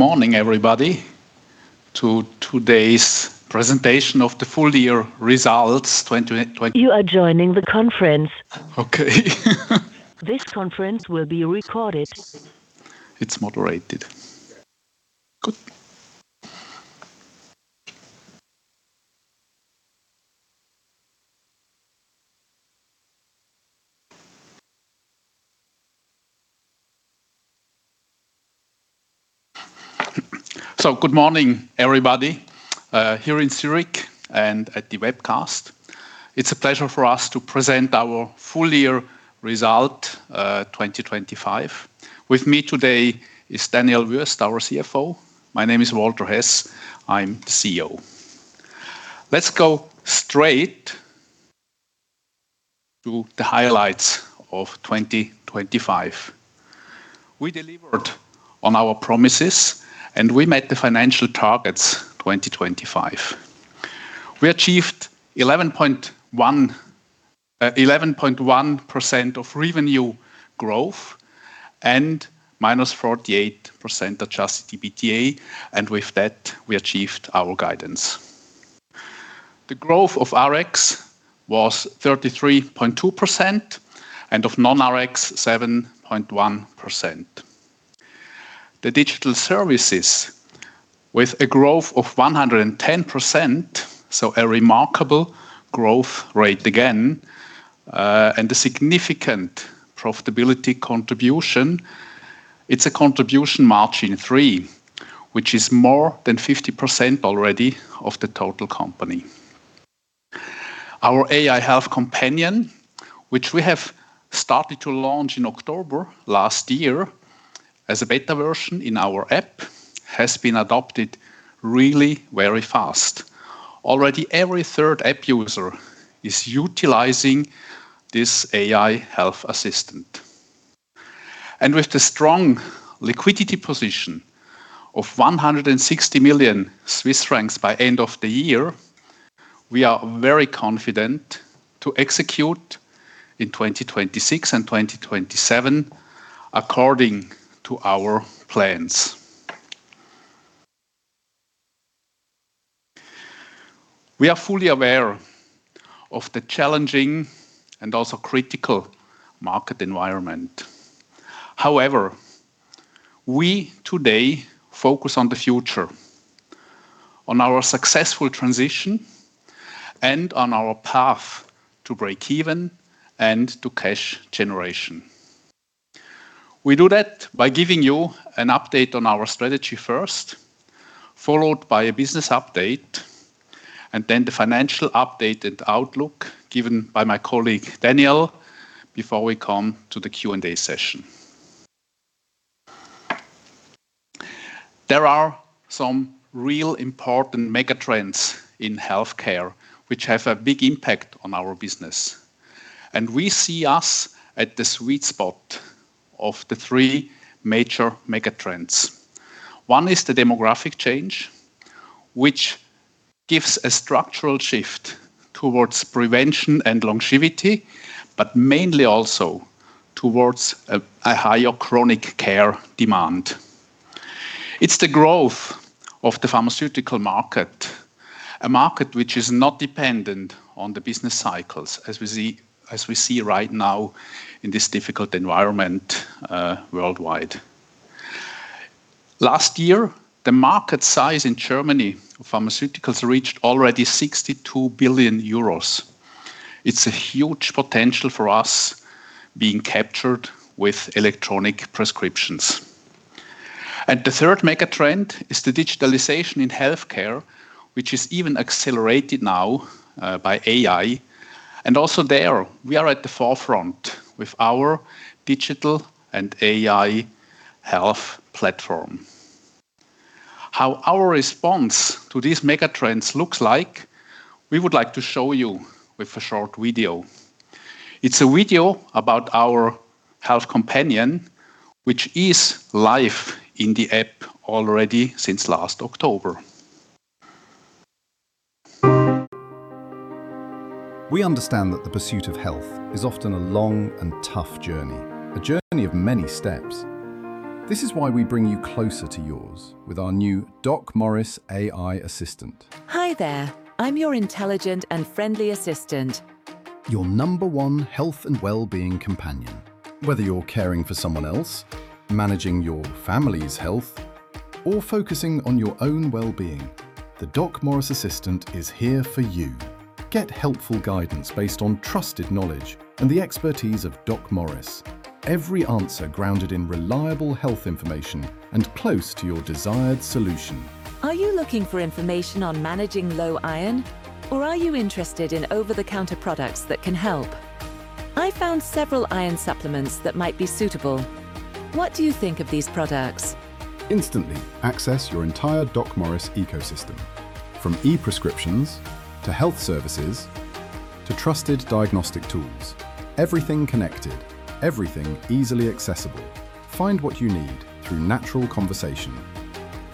Morning, everybody, to today's presentation of the full year results. You are joining the conference. Okay. This conference will be recorded. It's moderated. Good. Good morning, everybody, here in Zurich and at the webcast. It's a pleasure for us to present our full year result, 2025. With me today is Daniel Wüest, our CFO. My name is Walter Hess, I'm CEO. Let's go straight to the highlights of 2025. We delivered on our promises, and we made the financial targets 2025. We achieved 11.1% revenue growth and -48% adjusted EBITDA, and with that we achieved our guidance. The growth of Rx was 33.2% and of non-Rx, 7.1%. The digital services, with a growth of 110%, so a remarkable growth rate again, and a significant profitability contribution. It's a contribution margin three, which is more than 50% already of the total company. Our AI Health Companion, which we have started to launch in October last year as a beta version in our app, has been adopted really very fast. Already every third app user is utilizing this AI health assistant. With the strong liquidity position of 160 million Swiss francs by end of the year, we are very confident to execute in 2026 and 2027 according to our plans. We are fully aware of the challenging and also critical market environment. However, we today focus on the future, on our successful transition and on our path to breakeven and to cash generation. We do that by giving you an update on our strategy first, followed by a business update, and then the financial update and outlook given by my colleague Daniel, before we come to the Q&A session. There are some real important mega trends in healthcare which have a big impact on our business, and we see us at the sweet spot of the three major mega trends. One is the demographic change, which gives a structural shift towards prevention and longevity, but mainly also towards a higher chronic care demand. It's the growth of the pharmaceutical market, a market which is not dependent on the business cycles, as we see right now in this difficult environment, worldwide. Last year, the market size in Germany pharmaceuticals reached already 62 billion euros. It's a huge potential for us being captured with electronic prescriptions. The third mega trend is the digitalization in healthcare, which is even accelerated now by AI. Also there we are at the forefront with our digital and AI health platform. How our response to these mega trends looks like, we would like to show you with a short video. It's a video about our Health Companion, which is live in the app already since last October. We understand that the pursuit of health is often a long and tough journey, a journey of many steps. This is why we bring you closer to yours with our new DocMorris AI Assistant. Hi there. I'm your intelligent and friendly assistant. Your number one health and wellbeing companion. Whether you're caring for someone else, managing your family's health, or focusing on your own wellbeing, the DocMorris assistant is here for you. Get helpful guidance based on trusted knowledge and the expertise of DocMorris. Every answer grounded in reliable health information and close to your desired solution. Are you looking for information on managing low iron, or are you interested in over-the-counter products that can help? I found several iron supplements that might be suitable. What do you think of these products? Instantly access your entire DocMorris ecosystem, from e-prescriptions to health services, to trusted diagnostic tools. Everything connected, everything easily accessible. Find what you need through natural conversation.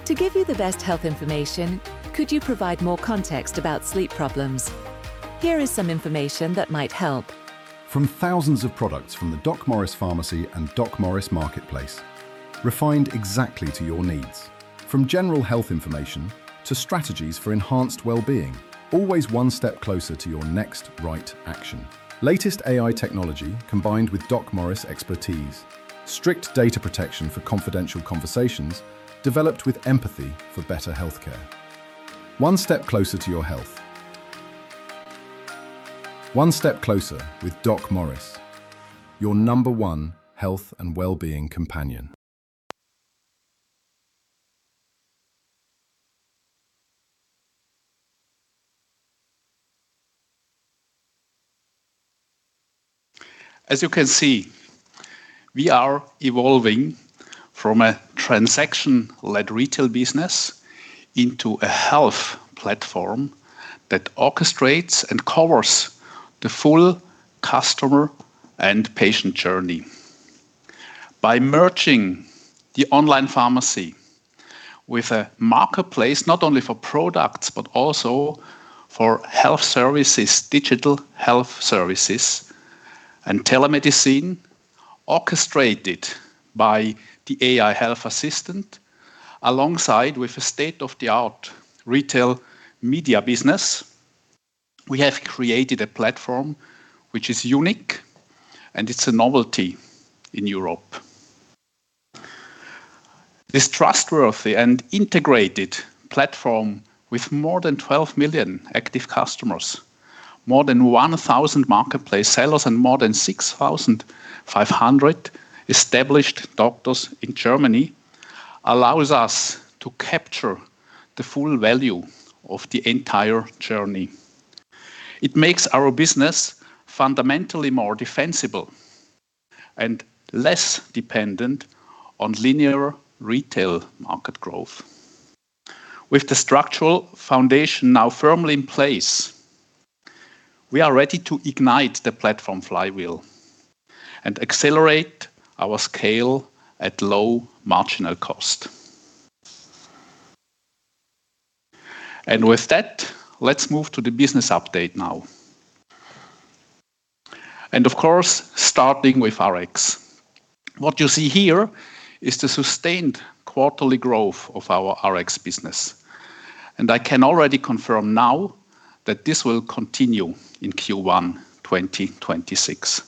To give you the best health information, could you provide more context about sleep problems? Here is some information that might help. From thousands of products from the DocMorris Pharmacy and DocMorris Marketplace, refined exactly to your needs. From general health information to strategies for enhanced wellbeing, always one step closer to your next right action. Latest AI technology combined with DocMorris expertise. Strict data protection for confidential conversations developed with empathy for better healthcare. One step closer to your health. One step closer with DocMorris, your number one health and wellbeing companion. As you can see, we are evolving from a transaction-led retail business into a health platform that orchestrates and covers the full customer and patient journey. By merging the online pharmacy with a marketplace, not only for products, but also for health services, digital health services, and telemedicine orchestrated by the AI Health Companion, alongside with a state-of-the-art retail media business, we have created a platform which is unique, and it's a novelty in Europe. This trustworthy and integrated platform with more than 12 million active customers, more than 1,000 marketplace sellers, and more than 6,500 established doctors in Germany allows us to capture the full value of the entire journey. It makes our business fundamentally more defensible and less dependent on linear retail market growth. With the structural foundation now firmly in place, we are ready to ignite the platform flywheel and accelerate our scale at low marginal cost. With that, let's move to the business update now. Of course, starting with Rx. What you see here is the sustained quarterly growth of our Rx business. I can already confirm now that this will continue in Q1 2026.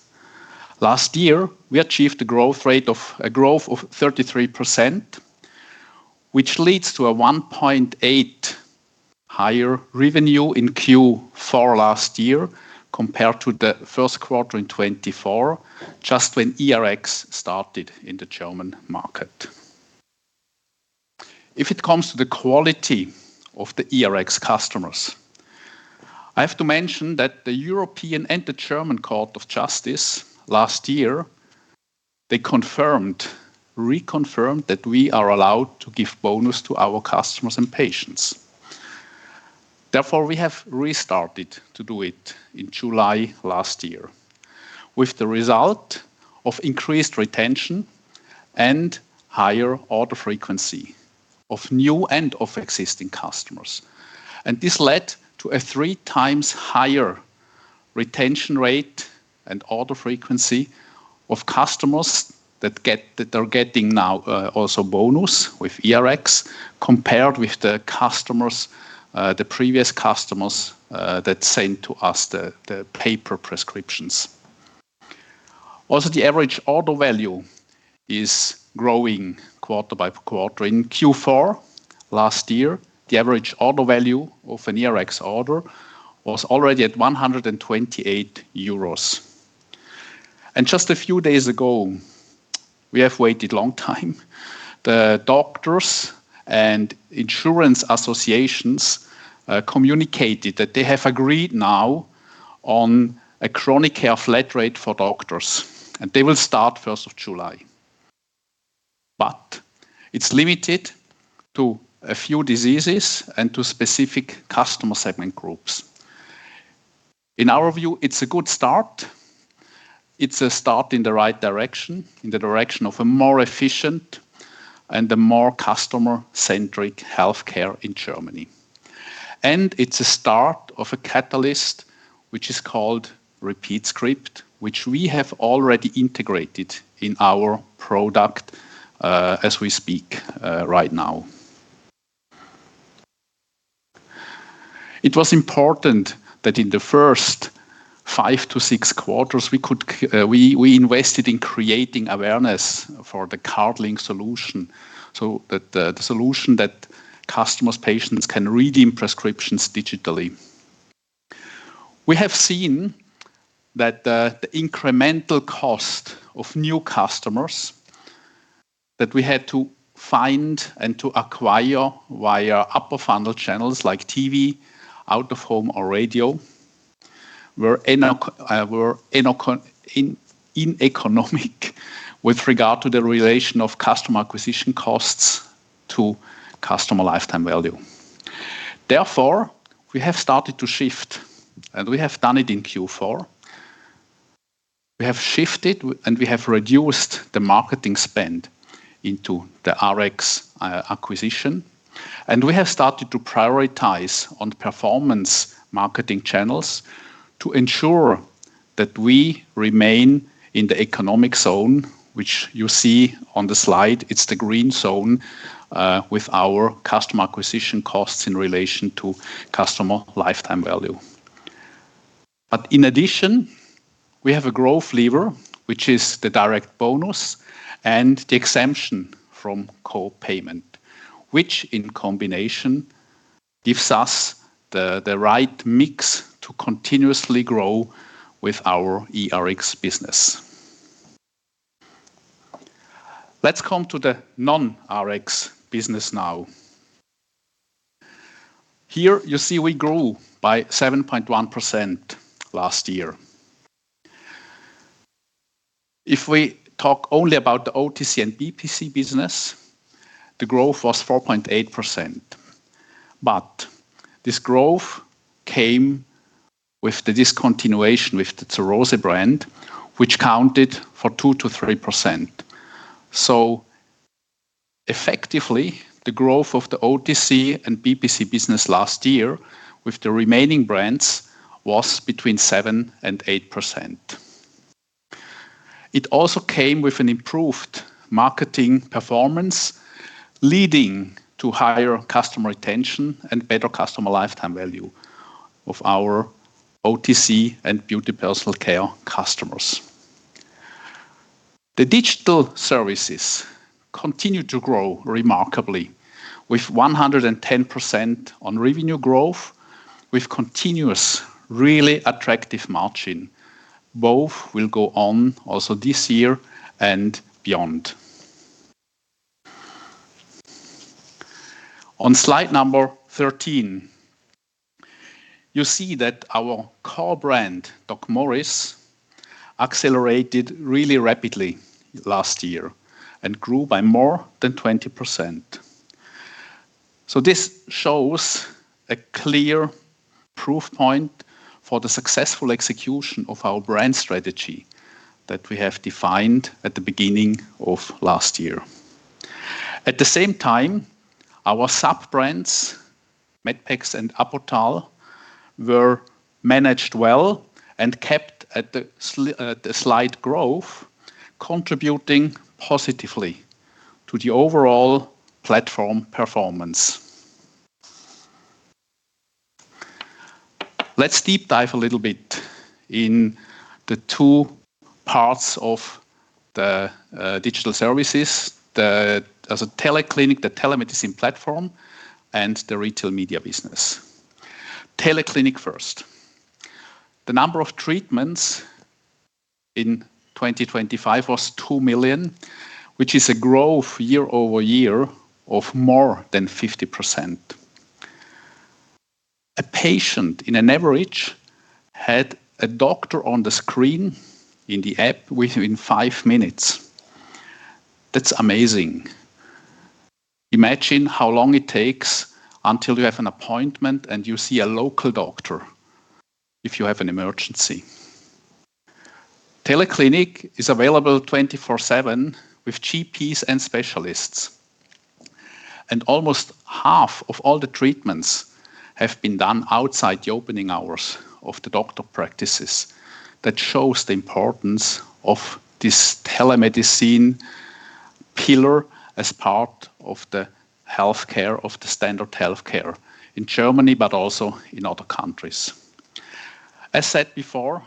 Last year, we achieved a growth of 33%, which leads to a 1.8 higher revenue in Q4 last year compared to the first quarter in 2024, just when eRx started in the German market. If it comes to the quality of the eRx customers, I have to mention that the Court of Justice of the European Union and the Federal Court of Justice last year, they reconfirmed that we are allowed to give bonus to our customers and patients. Therefore, we have restarted to do it in July last year with the result of increased retention and higher order frequency of new and of existing customers. This led to a three times higher retention rate and order frequency of customers that are getting now also bonus with eRx compared with the customers, the previous customers, that sent to us the paper prescriptions. Also, the average order value is growing quarter-by-quarter. In Q4 last year, the average order value of an eRx order was already at 128 euros. Just a few days ago, we have waited a long time, the doctors and insurance associations communicated that they have agreed now on a chronic care flat rate for doctors, and they will start 1st of July. It's limited to a few diseases and to specific customer segment groups. In our view, it's a good start. It's a start in the right direction, in the direction of a more efficient and a more customer-centric healthcare in Germany. It's a start of a catalyst, which is called Repeat Script, which we have already integrated in our product, as we speak, right now. It was important that in the first five to six quarters, we invested in creating awareness for the CardLink solution so that the solution that customers, patients can redeem prescriptions digitally. We have seen that the incremental cost of new customers that we had to find and to acquire via upper funnel channels like TV, out-of-home or radio were ineconomic with regard to the relation of customer acquisition costs to customer lifetime value. Therefore, we have started to shift, and we have done it in Q4. We have shifted and we have reduced the marketing spend into the Rx acquisition. We have started to prioritize on performance marketing channels to ensure that we remain in the economic zone, which you see on the slide. It's the green zone with our customer acquisition costs in relation to customer lifetime value. In addition, we have a growth lever, which is the direct bonus and the exemption from co-payment, which in combination gives us the right mix to continuously grow with our eRx business. Let's come to the non-Rx business now. Here, you see we grew by 7.1% last year. If we talk only about the OTC and BPC business, the growth was 4.8%. This growth came with the discontinuation with the Zur Rose brand, which counted for 2%-3%. Effectively, the growth of the OTC and BPC business last year with the remaining brands was between 7% and 8%. It also came with an improved marketing performance, leading to higher customer retention and better customer lifetime value of our OTC and beauty personal care customers. The digital services continued to grow remarkably with 110% on revenue growth, with continuous really attractive margin. Both will go on also this year and beyond. On slide number 13, you see that our core brand, DocMorris, accelerated really rapidly last year and grew by more than 20%. This shows a clear proof point for the successful execution of our brand strategy that we have defined at the beginning of last year. At the same time, our sub-brands, Medpex and Apotal, were managed well and kept at a slight growth, contributing positively to the overall platform performance. Let's deep dive a little bit in the two parts of the digital services. TeleClinic, the telemedicine platform, and the retail media business. TeleClinic first. The number of treatments in 2025 was 2 million, which is a growth year-over-year of more than 50%. A patient on average had a doctor on the screen in the app within five minutes. That's amazing. Imagine how long it takes until you have an appointment, and you see a local doctor if you have an emergency. TeleClinic is available 24/7 with GPs and specialists. Almost half of all the treatments have been done outside the opening hours of the doctor practices. That shows the importance of this telemedicine pillar as part of the healthcare, of the standard healthcare in Germany, but also in other countries. As said before,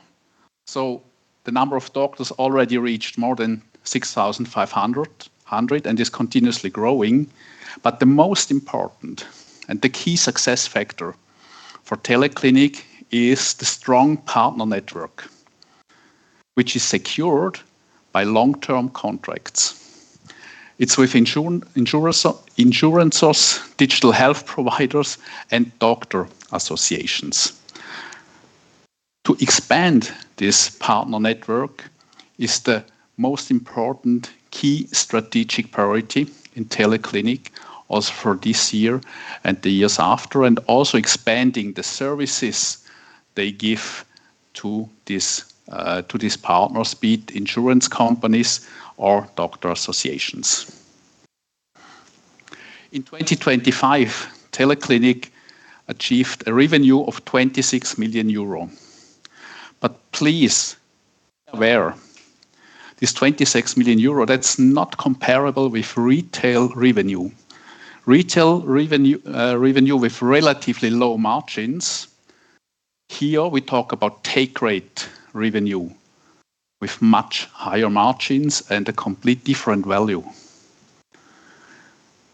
the number of doctors already reached more than 6,500, and is continuously growing. The most important and the key success factor for TeleClinic is the strong partner network, which is secured by long-term contracts. It's with insurers, insurances, digital health providers, and doctor associations. To expand this partner network is the most important key strategic priority in TeleClinic also for this year and the years after, and also expanding the services they give to this, to these partners, be it insurance companies or doctor associations. In 2025, TeleClinic achieved a revenue of 26 million euro. But please be aware, this 26 million euro, that's not comparable with retail revenue. Retail revenue with relatively low margins. Here, we talk about take rate revenue with much higher margins and a complete different value.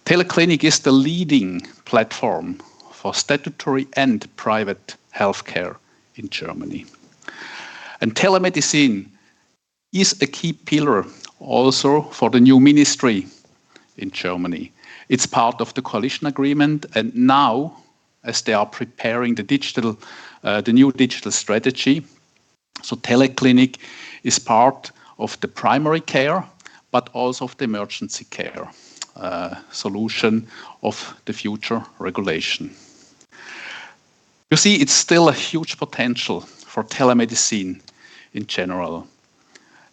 TeleClinic is the leading platform for statutory and private healthcare in Germany. Telemedicine is a key pillar also for the new ministry in Germany. It's part of the coalition agreement. As they are preparing the digital, the new digital strategy, TeleClinic is part of the primary care, but also of the emergency care, solution of the future regulation. You see, it's still a huge potential for telemedicine in general.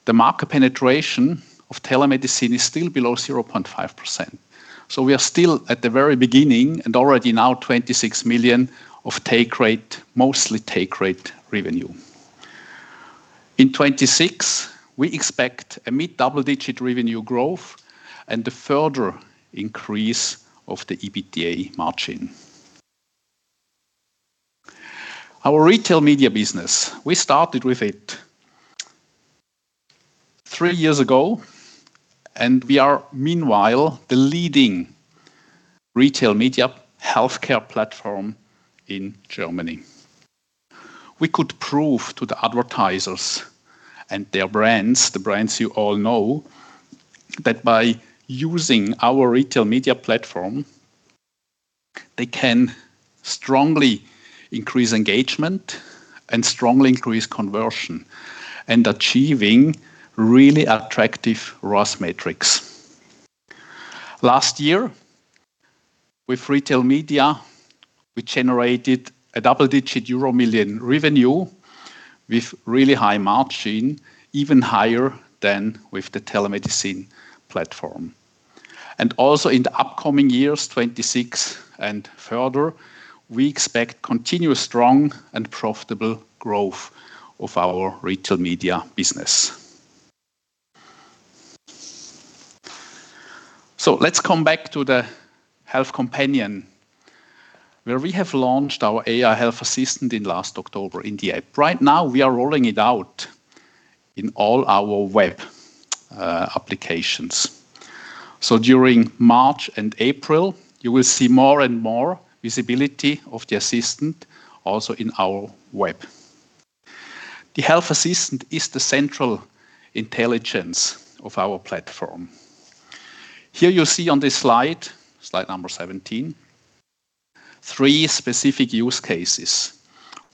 The market penetration of telemedicine is still below 0.5%, so we are still at the very beginning and already now 26 million of take rate, mostly take rate revenue. In 2026, we expect a mid double-digit revenue growth and a further increase of the EBITDA margin. Our retail media business, we started with it three years ago, and we are meanwhile the leading retail media healthcare platform in Germany. We could prove to the advertisers and their brands, the brands you all know, that by using our retail media platform, they can strongly increase engagement and strongly increase conversion and achieving really attractive ROAS metrics. Last year, with retail media, we generated a double-digit EUR million revenue with really high margin, even higher than with the telemedicine platform. Also in the upcoming years, 2026 and further, we expect continuous strong and profitable growth of our retail media business. Let's come back to the Health Companion, where we have launched our AI health assistant in last October in the app. Right now, we are rolling it out in all our web applications. During March and April, you will see more and more visibility of the assistant also in our web. The health assistant is the central intelligence of our platform. Here you see on this slide number 17, three specific use cases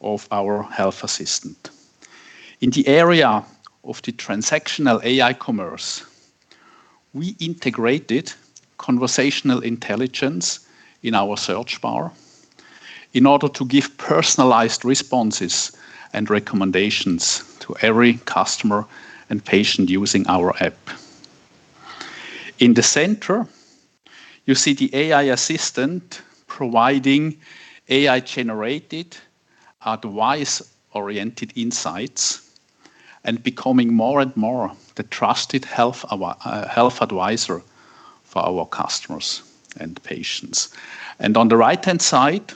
of our health assistant. In the area of the transactional AI commerce, we integrated conversational intelligence in our search bar in order to give personalized responses and recommendations to every customer and patient using our app. In the center, you see the AI assistant providing AI-generated, advice-oriented insights and becoming more and more the trusted health advisor for our customers and patients. On the right-hand side,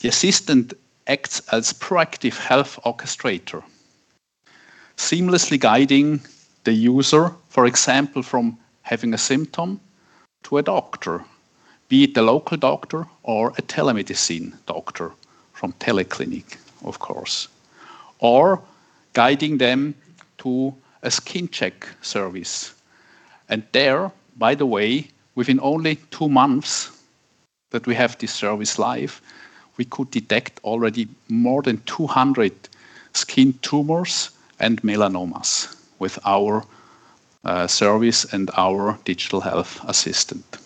the assistant acts as proactive health orchestrator, seamlessly guiding the user, for example, from having a symptom to a doctor, be it a local doctor or a telemedicine doctor from TeleClinic, of course, or guiding them to a skin check service. There, by the way, within only two months that we have this service live, we could detect already more than 200 skin tumors and melanomas with our service and our digital health assistant.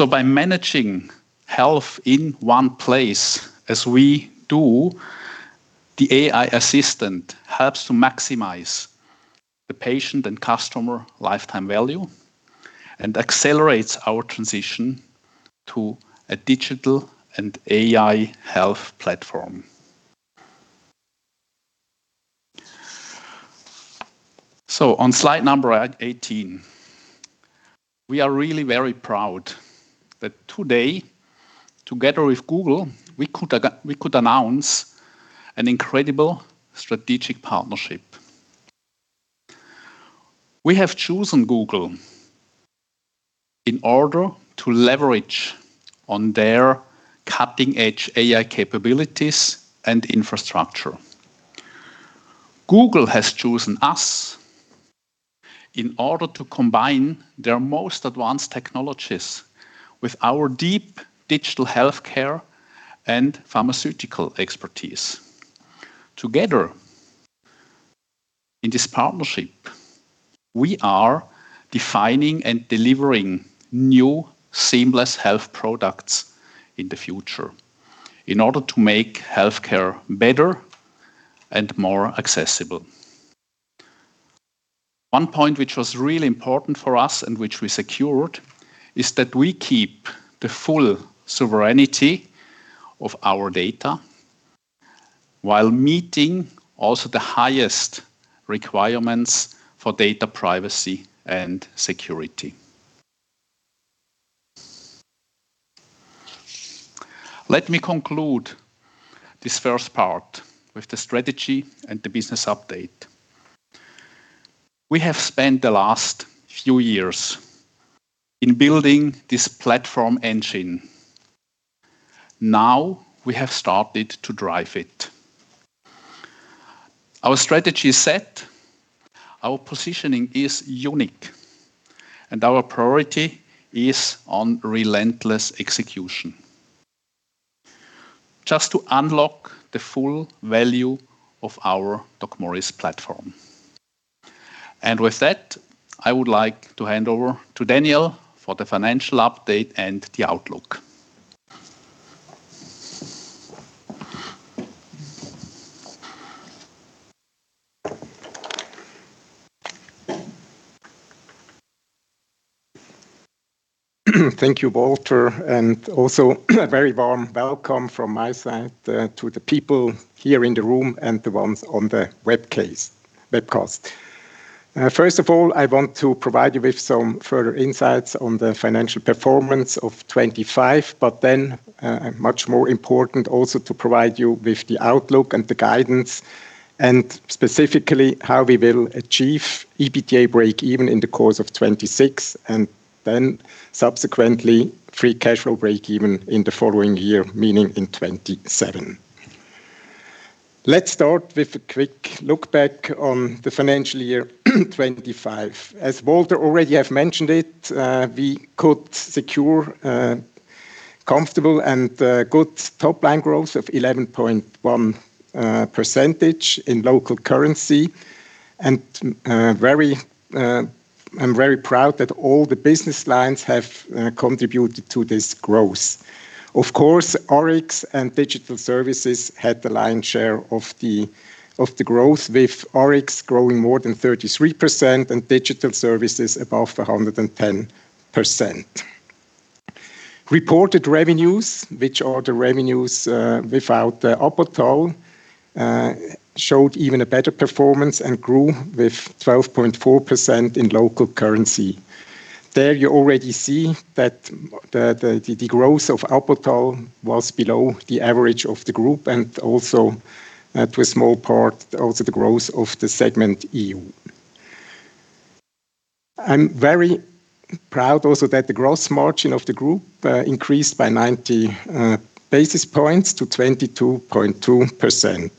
By managing health in one place as we do, the AI assistant helps to maximize the patient and customer lifetime value and accelerates our transition to a digital and AI health platform. On slide number 18, we are really very proud that today, together with Google, we could announce an incredible strategic partnership. We have chosen Google in order to leverage on their cutting-edge AI capabilities and infrastructure. Google has chosen us in order to combine their most advanced technologies with our deep digital healthcare and pharmaceutical expertise. Together in this partnership, we are defining and delivering new seamless health products in the future in order to make healthcare better and more accessible. One point which was really important for us and which we secured is that we keep the full sovereignty of our data while meeting also the highest requirements for data privacy and security. Let me conclude this first part with the strategy and the business update. We have spent the last few years in building this platform engine. Now we have started to drive it. Our strategy is set, our positioning is unique, and our priority is on relentless execution just to unlock the full value of our DocMorris platform. With that, I would like to hand over to Daniel for the financial update and the outlook. Thank you, Walter. Also very warm welcome from my side to the people here in the room and the ones on the webcast. First of all, I want to provide you with some further insights on the financial performance of 2025, but then much more important also to provide you with the outlook and the guidance and specifically how we will achieve EBITDA breakeven in the course of 2026 and then subsequently free cash flow breakeven in the following year, meaning in 2027. Let's start with a quick look back on the financial year 2025. As Walter already have mentioned it, we could secure a comfortable and good top line growth of 11.1% in local currency. I'm very proud that all the business lines have contributed to this growth. Of course, Rx and Digital Services had the lion's share of the growth, with Rx growing more than 33% and Digital Services above 110%. Reported revenues, which are the revenues without the Apotal, showed even a better performance and grew with 12.4% in local currency. There you already see that the growth of Apotal was below the average of the group and also, to a small part, also the growth of the segment EU. I'm very proud also that the gross margin of the group increased by 90 basis points to 22.2%.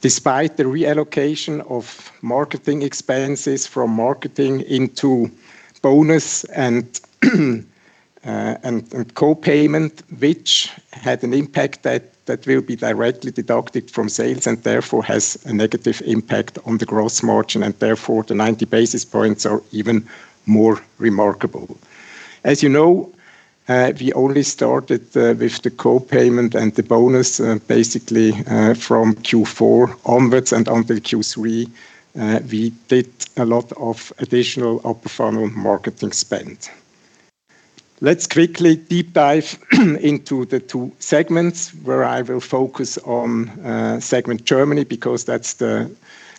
Despite the reallocation of marketing expenses from marketing into bonus and co-payment, which had an impact that will be directly deducted from sales and therefore has a negative impact on the gross margin, and therefore the 90 basis points are even more remarkable. As you know, we only started with the co-payment and the bonus basically from Q4 onwards and until Q3 we did a lot of additional upper funnel marketing spend. Let's quickly deep dive into the two segments where I will focus on segment Germany because that's the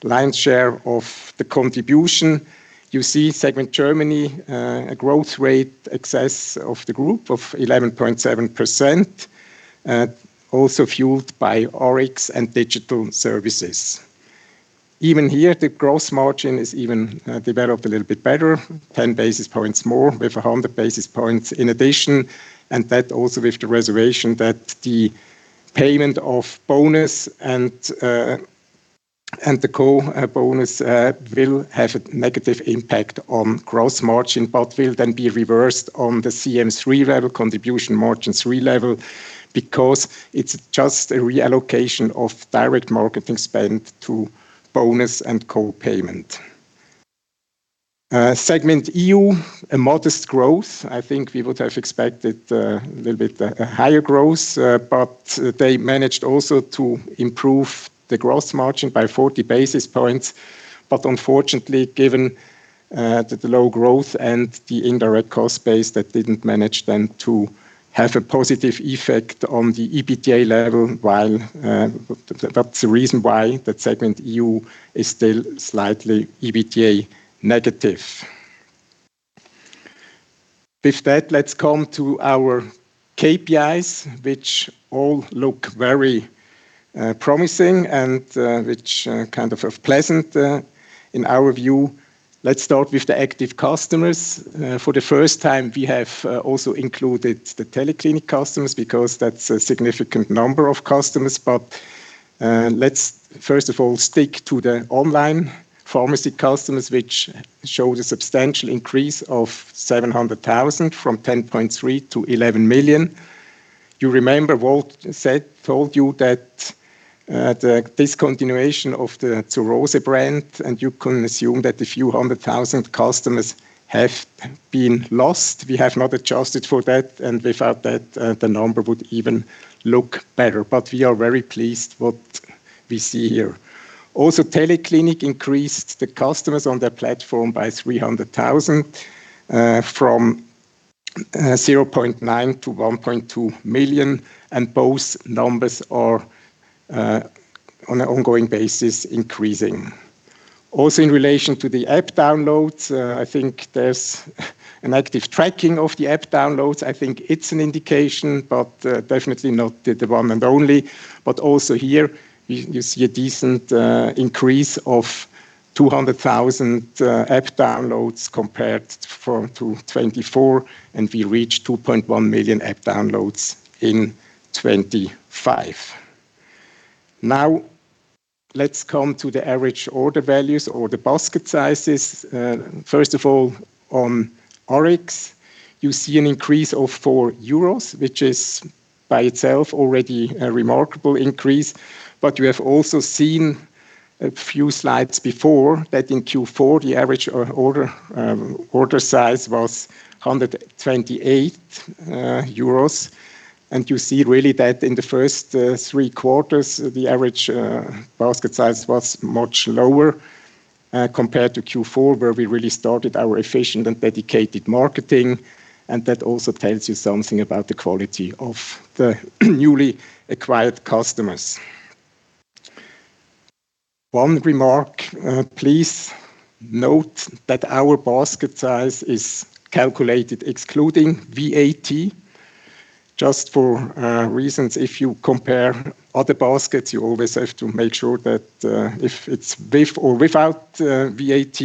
lion's share of the contribution. You see segment Germany a growth rate excess of the group of 11.7% also fueled by Rx and Digital Services. Even here, the gross margin has even developed a little bit better, 10 basis points more with 100 basis points in addition, and that also with the reservation that the payment of bonus and the co-payment will have a negative impact on gross margin, but will then be reversed on the CM3 level, contribution margin three level, because it's just a reallocation of direct marketing spend to bonus and co-payment. Segment EU, a modest growth. I think we would have expected a little bit higher growth, but they managed also to improve the gross margin by 40 basis points. Unfortunately, given the low growth and the indirect cost base, that didn't manage then to have a positive effect on the EBITDA level while that's the reason why that segment EU is still slightly EBITDA negative. With that, let's come to our KPIs, which all look very promising and which are kind of pleasant in our view. Let's start with the active customers. For the first time, we have also included the TeleClinic customers because that's a significant number of customers. Let's first of all stick to the online pharmacy customers, which show the substantial increase of 700,000 from 10.3 to 11 million. You remember Walt told you that the discontinuation of the Zur Rose brand, and you can assume that a few hundred thousand customers have been lost. We have not adjusted for that, and without that the number would even look better. We are very pleased what we see here. Also, TeleClinic increased the customers on their platform by 300,000, from 0.9 to 1.2 million, and both numbers are on an ongoing basis increasing. Also, in relation to the app downloads, I think there's an active tracking of the app downloads. I think it's an indication, but definitely not the one and only. Also here you see a decent increase of 200,000 app downloads compared to 2024, and we reached 2.1 million app downloads in 2025. Now let's come to the average order values or the basket sizes. First of all, on Rx, you see an increase of 4 euros, which is by itself already a remarkable increase. You have also seen a few slides before that in Q4, the average order size was 128 euros. You see really that in the first three quarters, the average basket size was much lower compared to Q4, where we really started our efficient and dedicated marketing. That also tells you something about the quality of the newly acquired customers. One remark, please note that our basket size is calculated excluding VAT just for reasons. If you compare other baskets, you always have to make sure that if it's with or without VAT,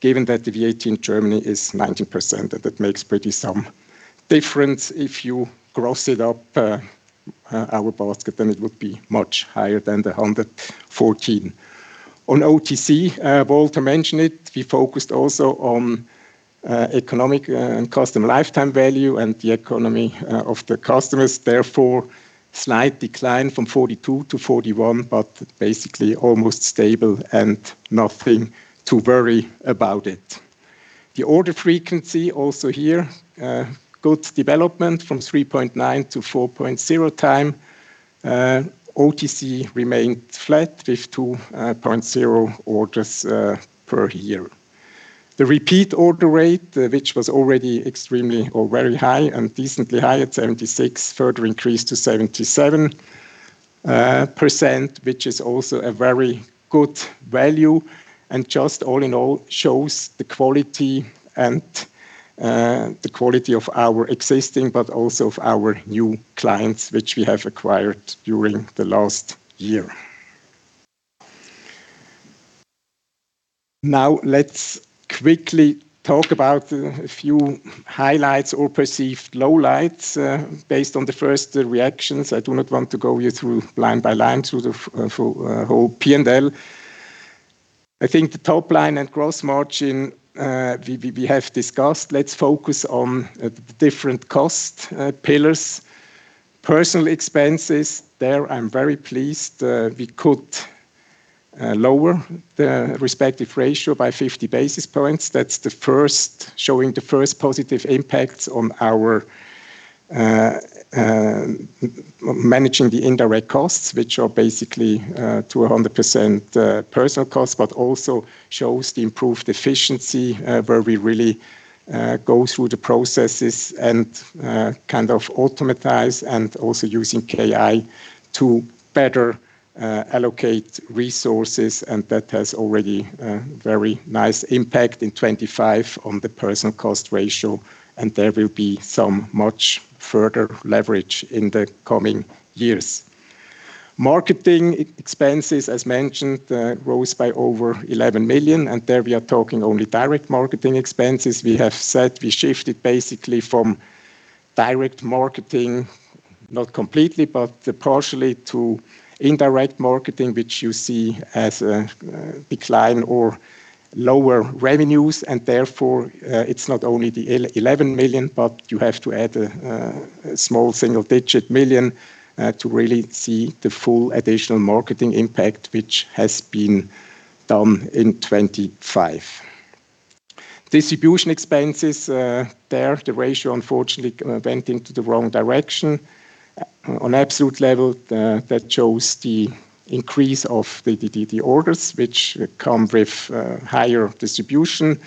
given that the VAT in Germany is 19%. That makes pretty some difference. If you gross it up, our basket, then it would be much higher than the 114. On OTC, Walter mentioned it. We focused also on economic and customer lifetime value and the economy of the customers. Therefore, slight decline from 42-41, but basically almost stable and nothing to worry about it. The order frequency also here good development from 3.9 to 4.0x. OTC remained flat with 2.0 orders per year. The repeat order rate, which was already extremely or very high and decently high at 76, further increased to 77%, which is also a very good value and just all in all shows the quality of our existing but also of our new clients, which we have acquired during the last year. Now, let's quickly talk about a few highlights or perceived lowlights based on the first reactions. I do not want to take you through line by line the whole P&L. I think the top line and gross margin we have discussed. Let's focus on the different cost pillars. Personnel expenses, there I'm very pleased we could lower the respective ratio by 50 basis points. That's the first positive impacts on our managing the indirect costs, which are basically to 100% personnel costs, but also shows the improved efficiency where we really go through the processes and kind of automatize and also using AI to better allocate resources. That has already a very nice impact in 2025 on the personnel cost ratio, and there will be so much further leverage in the coming years. Marketing expenses, as mentioned, rose by over 11 million, and there we are talking only direct marketing expenses. We have said we shifted basically from direct marketing, not completely, but partially to indirect marketing, which you see as a decline or lower revenues. Therefore, it's not only the 11 million, but you have to add a small single-digit million to really see the full additional marketing impact which has been done in 2025. Distribution expenses, there the ratio unfortunately went into the wrong direction. On absolute level, that shows the increase of the orders which come with higher distribution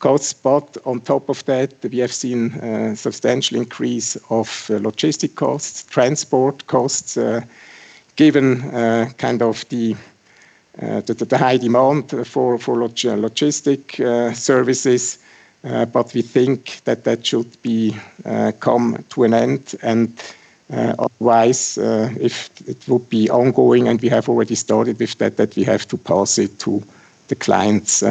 costs. But on top of that, we have seen substantial increase of logistics costs, transport costs, given kind of the high demand for logistics services. We think that should come to an end. Otherwise, if it would be ongoing and we have already started with that, we have to pass it to the clients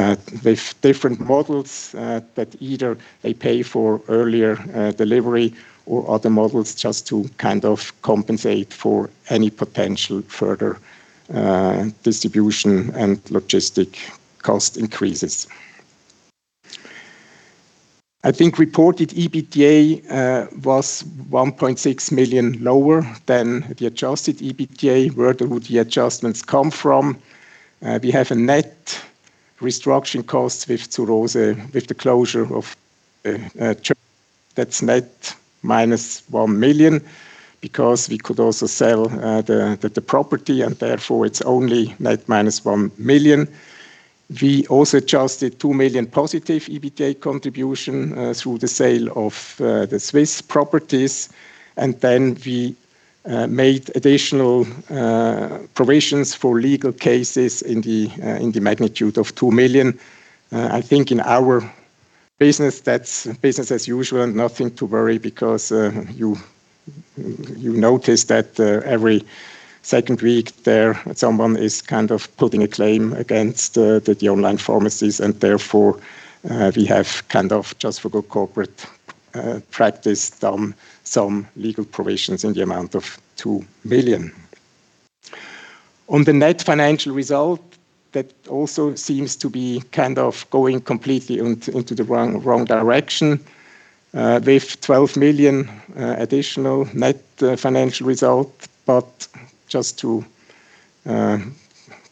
with different models that either they pay for earlier delivery or other models just to kind of compensate for any potential further distribution and logistics cost increases. I think reported EBITDA was 1.6 million lower than the adjusted EBITDA. Where would the adjustments come from? We have a net restructuring cost with Zur Rose with the closure of. That's net -1 million because we could also sell the property, and therefore it's only net -1 million. We also adjusted 2 million+ EBITDA contribution through the sale of the Swiss properties. We made additional provisions for legal cases in the magnitude of 2 million. I think in our business, that's business as usual and nothing to worry because you notice that every second week there's someone kind of putting a claim against the online pharmacies, and therefore we have kind of just for good corporate practice done some legal provisions in the amount of 2 million. On the net financial result, that also seems to be kind of going completely into the wrong direction with 12 million additional net financial result. Just to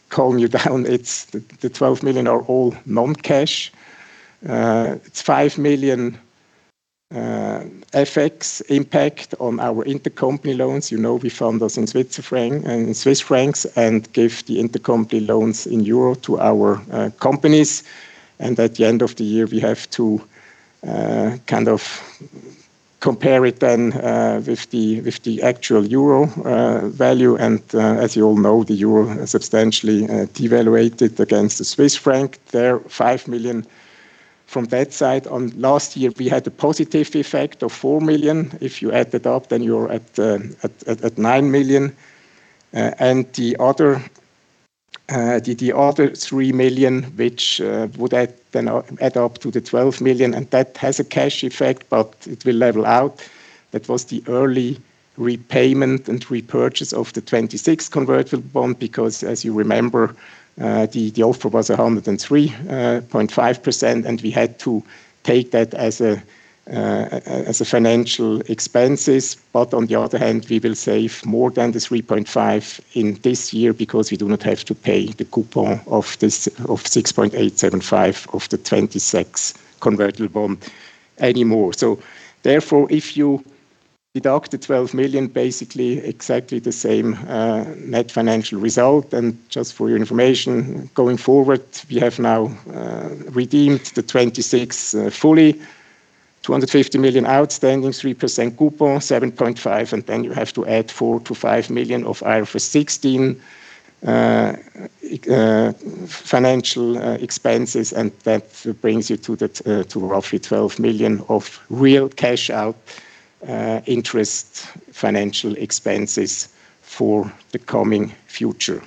calm you down, the 12 million are all non-cash. It's 5 million FX impact on our intercompany loans. You know, we fund those in Swiss francs and give the intercompany loans in euro to our companies. At the end of the year, we have to kind of compare it then with the actual euro value. As you all know, the euro substantially devalued against the Swiss franc. That's 5 million from that side. Last year, we had a positive effect of 4 million. If you add that up, then you're at 9 million. And the other three million, which would add up to the 12 million, and that has a cash effect, but it will level out. That was the early repayment and repurchase of the 2026 convertible bond, because as you remember, the offer was 103.5%, and we had to take that as a financial expense. On the other hand, we will save more than the 3.5% in this year because we do not have to pay the coupon of 6.875% of the 2026 convertible bond anymore. Therefore, if you deduct the 12 million, basically exactly the same net financial result. Just for your information, going forward, we have now redeemed the '26 fully, 250 million outstanding, 3% coupon, 7.5, and then you have to add 4 million-5 million of IFRS 16 financial expenses, and that brings you to roughly 12 million of real cash out interest financial expenses for the coming future.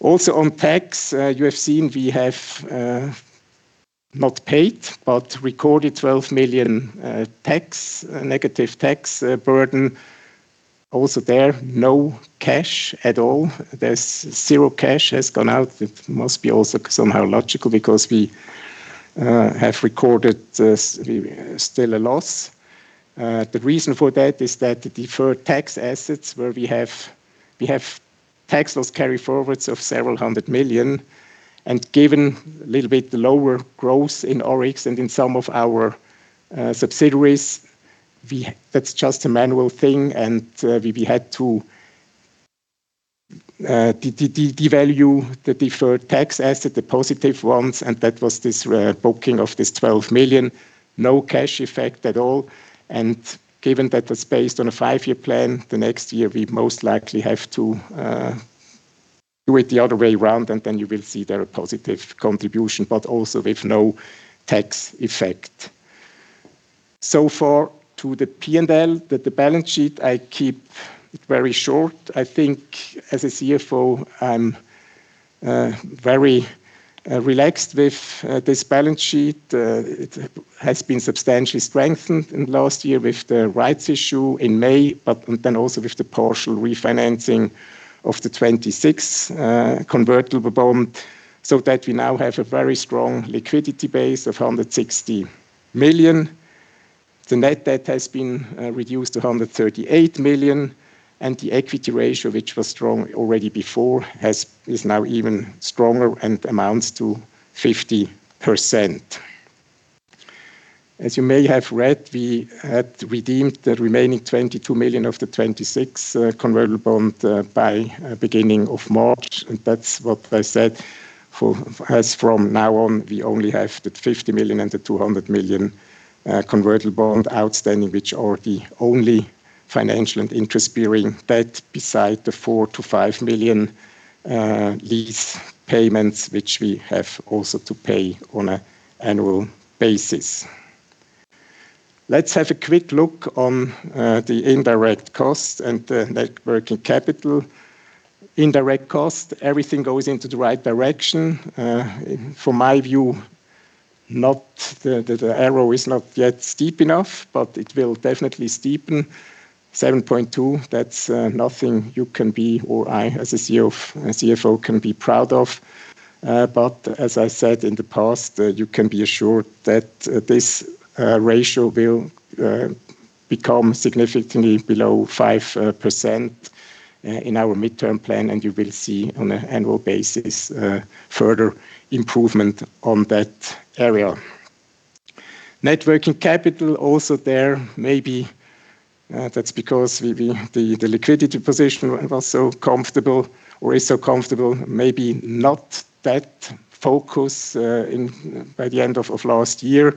Also on tax, you have seen we have not paid but recorded 12 million tax negative tax burden. Also there, no cash at all. There's zero cash has gone out. It must be also somehow logical because we have recorded this, still a loss. The reason for that is that the deferred tax assets where we have tax loss carryforwards of several hundred million. Given a little bit the lower growth in Rx and in some of our subsidiaries, that's just a manual thing, and we had to devalue the deferred tax asset, the positive ones, and that was this booking of 12 million. No cash effect at all. Given that was based on a five-year plan, the next year we most likely have to do it the other way around, and then you will see there a positive contribution, but also with no tax effect. Far to the P&L, the balance sheet, I keep it very short. I think as a CFO, I'm very relaxed with this balance sheet. It has been substantially strengthened in last year with the rights issue in May, but then also with the partial refinancing of the 2026 convertible bond, so that we now have a very strong liquidity base of 160 million. The net debt has been reduced to 138 million, and the equity ratio, which was strong already before, is now even stronger and amounts to 50%. As you may have read, we had redeemed the remaining 22 million of the 2026 convertible bond by beginning of March, and that's what I said as from now on, we only have the 50 million and the 200 million convertible bond outstanding, which are the only financial and interest-bearing debt beside the 4 million-5 million lease payments, which we have also to pay on an annual basis. Let's have a quick look on the indirect cost and the net working capital. Indirect cost, everything goes into the right direction. From my view, the arrow is not yet steep enough, but it will definitely steepen. 7.2, that's nothing you can be or I as a CFO can be proud of. But as I said in the past, you can be assured that this ratio will become significantly below 5% in our midterm plan, and you will see on an annual basis further improvement on that area. Net working capital also there, maybe that's because the liquidity position was so comfortable or is so comfortable, maybe not that focused by the end of last year.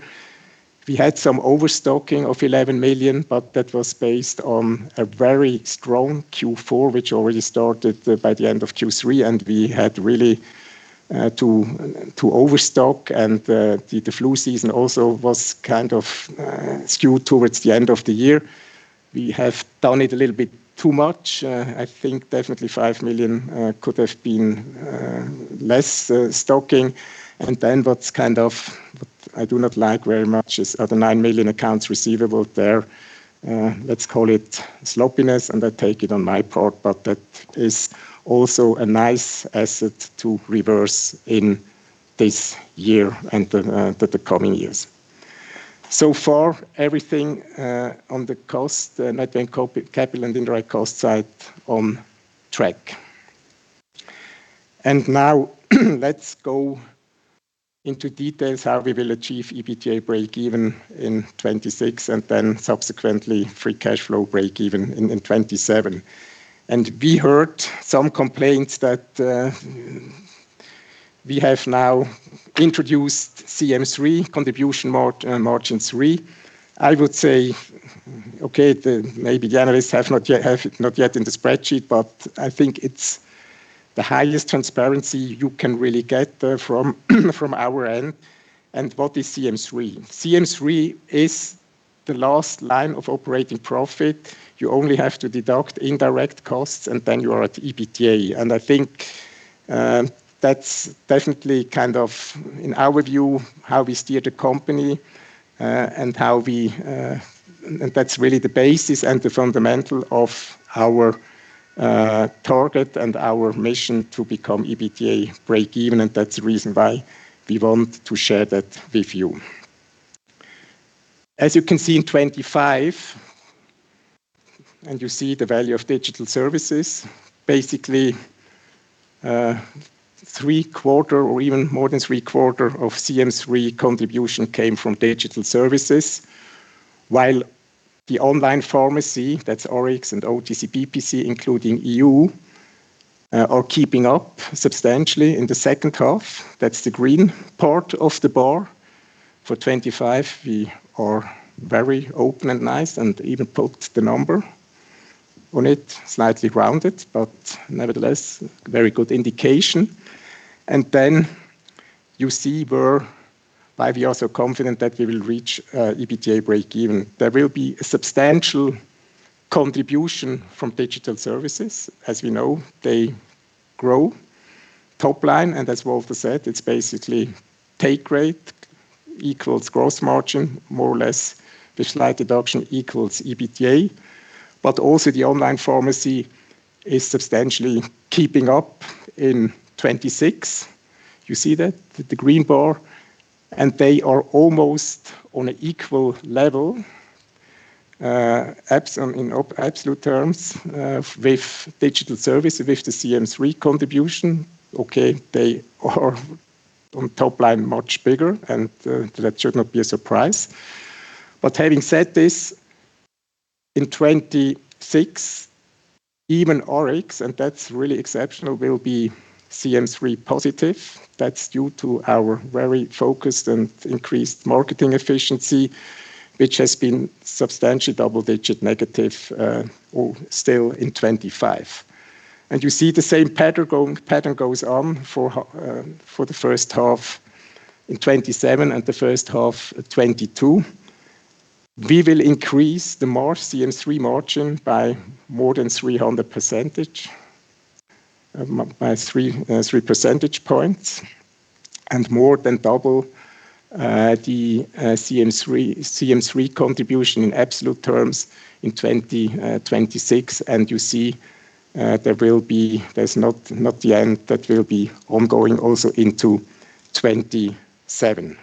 We had some overstocking of 11 million, but that was based on a very strong Q4, which already started by the end of Q3, and we had really to overstock, and the flu season also was kind of skewed towards the end of the year. We have done it a little bit too much. I think definitely 5 million could have been less stocking. What I do not like very much is the 9 million accounts receivable there, let's call it sloppiness, and I take it on my part, but that is also a nice asset to reverse in this year and the coming years. So far, everything on the cost side, I think CapEx and indirect cost side on track. Now let's go into details how we will achieve EBITDA breakeven in 2026, and then subsequently free cash flow breakeven in 2027. We heard some complaints that we have now introduced CM3, contribution margin three. I would say, okay, maybe the analysts have not yet had it in the spreadsheet, but I think it's the highest transparency you can really get there from our end. What is CM3? CM3 is the last line of operating profit. You only have to deduct indirect costs, and then you are at EBITDA. I think that's definitely kind of, in our view, how we steer the company, and how we. That's really the basis and the fundamental of our target and our mission to become EBITDA breakeven, and that's the reason why we want to share that with you. As you can see in 2025, you see the value of digital services, basically, three-quarter or even more than three-quarter of CM3 contribution came from digital services. While the online pharmacy, that's Rx and OTC/BPC, including EU, are keeping up substantially in the second half. That's the green part of the bar. For 2025, we are very open and nice and even put the number on it, slightly rounded, but nevertheless, very good indication. Then you see where why we are so confident that we will reach EBITDA breakeven. There will be a substantial contribution from digital services. As we know, they grow top line, and as Walter said, it's basically take rate equals gross margin, more or less with slight deduction equals EBITDA. Also the online pharmacy is substantially keeping up in 2026. You see that, the green bar. They are almost on an equal level, in absolute terms, with digital service, with the CM3 contribution. Okay, they are on top line much bigger, that should not be a surprise. Having said this, in 2026, even Rx, and that's really exceptional, will be CM3 positive. That's due to our very focused and increased marketing efficiency, which has been substantial double-digit negative, or still in 2025. You see the same pattern goes on for the first half in 2027 and the first half of 2022. We will increase the CM3 margin by more than 300 percentage by three percentage points, and more than double the CM3 contribution in absolute terms in 2026. You see, there's not the end. That will be ongoing also into 2027.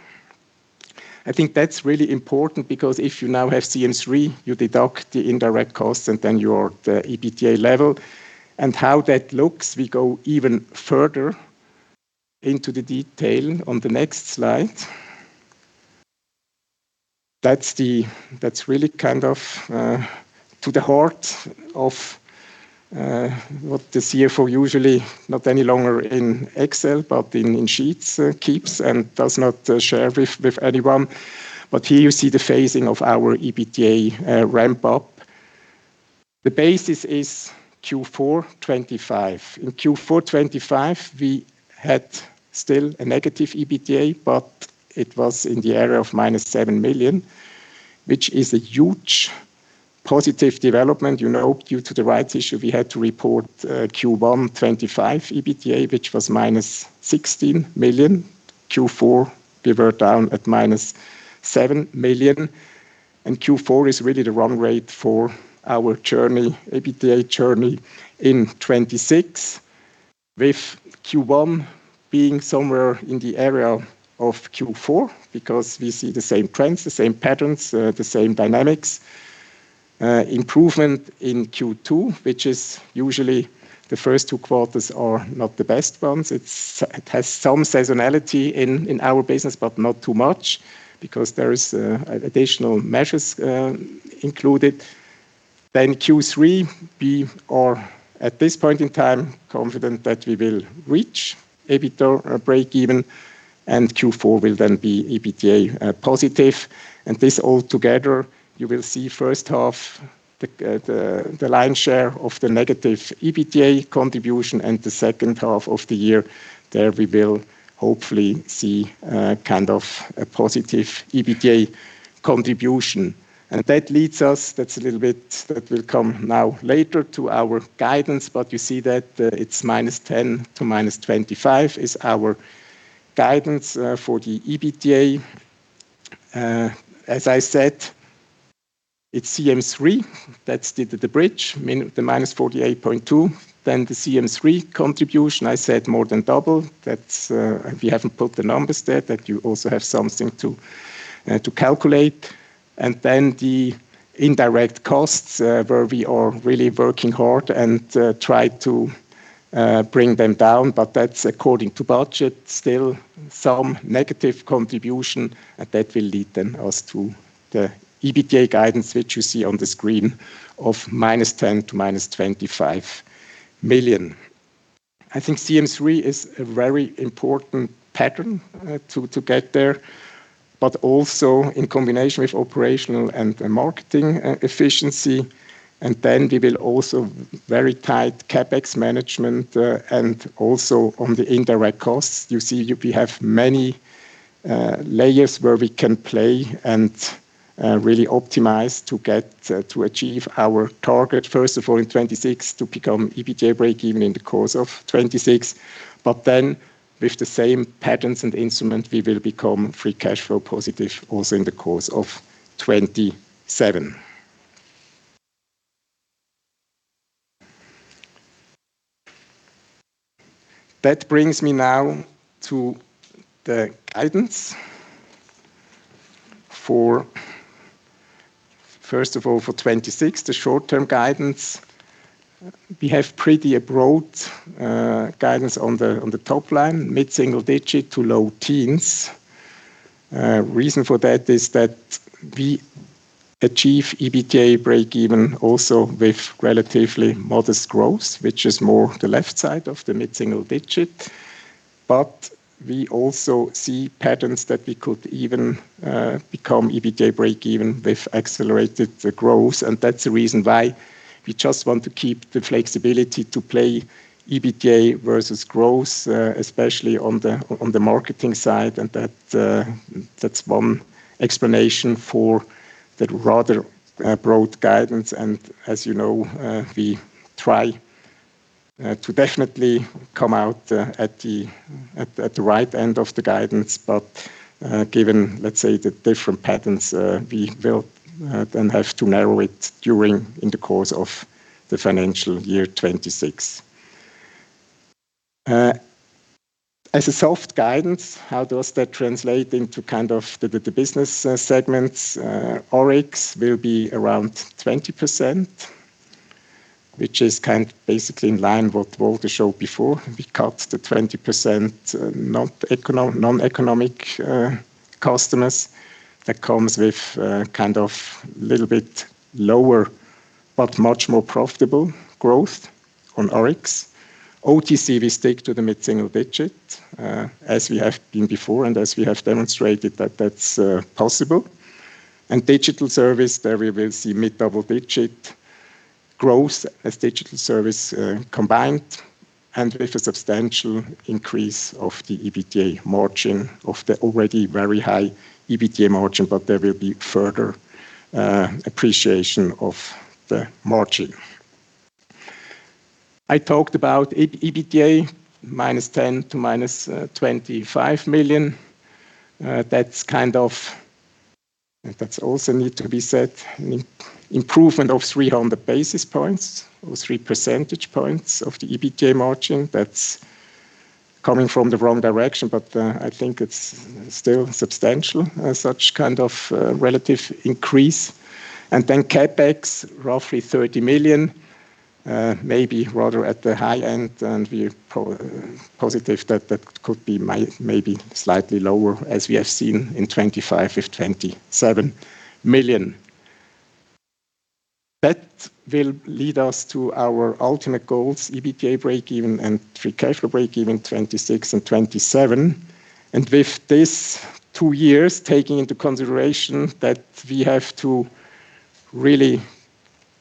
I think that's really important because if you now have CM3, you deduct the indirect costs and then your, the EBITDA level. How that looks, we go even further into the detail on the next slide. That's really kind of to the heart of what the CFO usually, not any longer in Excel, but in Sheets, keeps and does not share with anyone. Here you see the phasing of our EBITDA ramp up. The basis is Q4 2025. In Q4 2025, we had still a negative EBITDA, but it was in the area of -7 million, which is a huge positive development. You know, due to the rights issue, we had to report Q1 2025 EBITDA, which was -16 million. Q4, we were down at -7 million. Q4 is really the run rate for our EBITDA journey in 2026, with Q1 being somewhere in the area of Q4 because we see the same trends, the same patterns, the same dynamics. Improvement in Q2, which is usually the first two quarters are not the best ones. It has some seasonality in our business, but not too much because there is additional measures included. Q3, we are at this point in time confident that we will reach EBITDA breakeven, and Q4 will then be EBITDA positive. This all together, you will see first half the lion's share of the negative EBITDA contribution, and the second half of the year, there we will hopefully see kind of a positive EBITDA contribution. That leads us. That's a little bit that will come now later to our guidance, but you see that it's -10- -25 is our guidance for the EBITDA. As I said, it's CM3 that's the bridge, the -48.2, then the CM3 contribution. I said more than double. That's if you haven't put the numbers there, that you also have something to calculate. Then the indirect costs, where we are really working hard and try to bring them down. That's according to budget, still some negative contribution. That will lead then us to the EBITDA guidance, which you see on the screen of -10 million- -25 million. I think CM3 is a very important pattern to get there, but also in combination with operational and marketing efficiency. Then we will also very tight CapEx management and also on the indirect costs. You see we have many layers where we can play and really optimize to get to achieve our target. First of all, in 2026 to become EBITDA breakeven in the course of 2026. With the same patterns and instrument, we will become free cash flow positive also in the course of 2027. That brings me now to the guidance for first of all, for 2026, the short-term guidance. We have pretty broad guidance on the top line, mid-single digit to low teens. Reason for that is that we achieve EBITDA breakeven also with relatively modest growth, which is more the left side of the mid-single digit. We also see patterns that we could even become EBITDA breakeven with accelerated growth. That's the reason why we just want to keep the flexibility to play EBITDA versus growth, especially on the marketing side. That's one explanation for that rather broad guidance. As you know, we try to definitely come out at the right end of the guidance. Given, let's say, the different patterns, we will then have to narrow it during the course of the financial year 2026. As sort of guidance, how does that translate into kind of the business segments? Rx will be around 20%, which is kind of basically in line with what Walter showed before. We cut the 20% non-economic customers. That comes with kind of little bit lower, but much more profitable growth on Rx. OTC, we stick to the mid-single-digit as we have been before and as we have demonstrated that that's possible. Digital services there we will see mid-double-digit growth as digital services combined with a substantial increase of the EBITDA margin of the already very high EBITDA margin, but there will be further appreciation of the margin. I talked about EBITDA -10 million to -25 million. That's also need to be said, an improvement of 300 basis points or three percentage points of the EBITDA margin. That's coming from the wrong direction, but I think it's still substantial as such kind of relative increase. Then CapEx, roughly 30 million, maybe rather at the high end. We're positive that that could be maybe slightly lower as we have seen in 25 with 27 million. That will lead us to our ultimate goals, EBITDA breakeven and free cash flow breakeven, 26 and 27. With these two years, taking into consideration that we have to really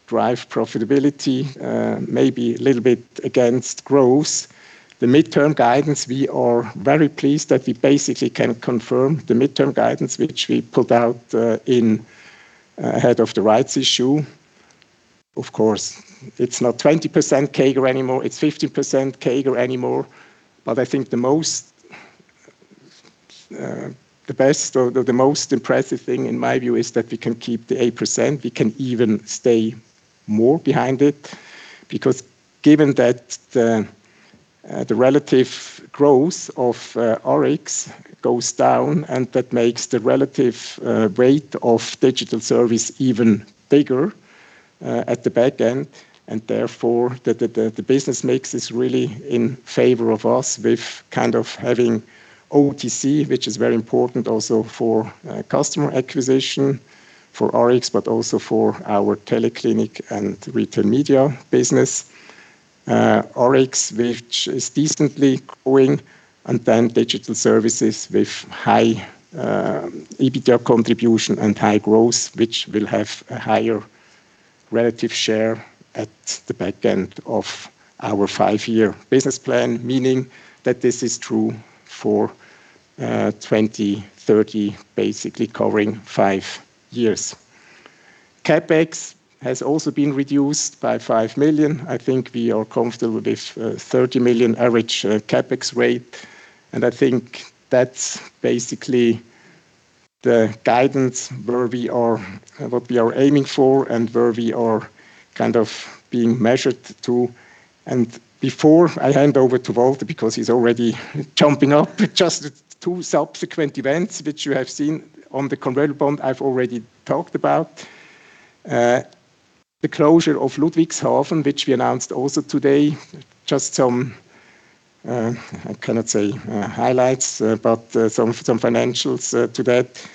drive profitability, maybe a little bit against growth. The midterm guidance, we are very pleased that we basically can confirm the midterm guidance which we put out ahead of the rights issue. Of course, it's not 20% CAGR anymore. It's 15% CAGR anymore. I think the most impressive thing in my view is that we can keep the 8%. We can even stay more behind it because given that the relative growth of Rx goes down, and that makes the relative weight of digital service even bigger at the back end, and therefore the business mix is really in favor of us with kind of having OTC, which is very important also for customer acquisition for Rx, but also for our TeleClinic and retail media business. ORIX, which is decently growing, and then digital services with high EBITDA contribution and high growth, which will have a higher relative share at the back end of our five-year business plan, meaning that this is true for 2030, basically covering five years. CapEx has also been reduced by 5 million. I think we are comfortable with this 30 million average CapEx rate. I think that's basically the guidance what we are aiming for and where we are kind of being measured to. Before I hand over to Walter, because he's already jumping up, just two subsequent events which you have seen on the convertible bond, I've already talked about. The closure of Ludwigshafen, which we announced also today, just some, I cannot say highlights, but some financials to that.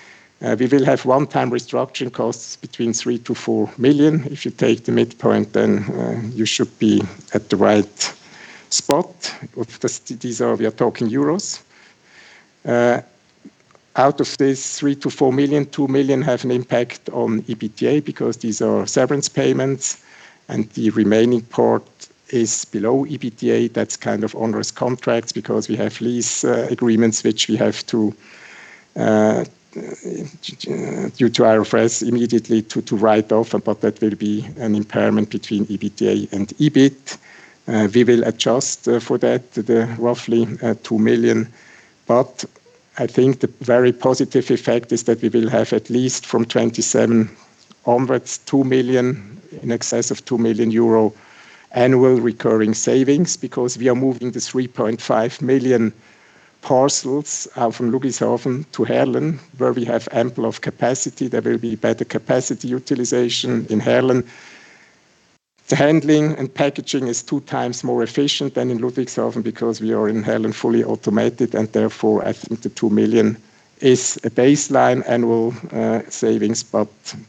We will have one-time restructuring costs between 3 million-4 million. If you take the midpoint, then you should be at the right spot. Of these, we are talking euros. Out of this 3 million-4 million, 2 million have an impact on EBITDA because these are severance payments, and the remaining part is below EBITDA. That's kind of onerous contracts because we have lease agreements which we have to due to IFRS immediately write off. But that will be an impairment between EBITDA and EBIT. We will adjust for that, the roughly 2 million. I think the very positive effect is that we will have at least from 2027 onwards 2 million, in excess of 2 million euro annual recurring savings because we are moving the 3.5 million parcels from Ludwigshafen to Heerlen, where we have ample capacity. There will be better capacity utilization in Heerlen. The handling and packaging is two times more efficient than in Ludwigshafen because we are in Heerlen fully automated and therefore I think the 2 million is a baseline annual savings.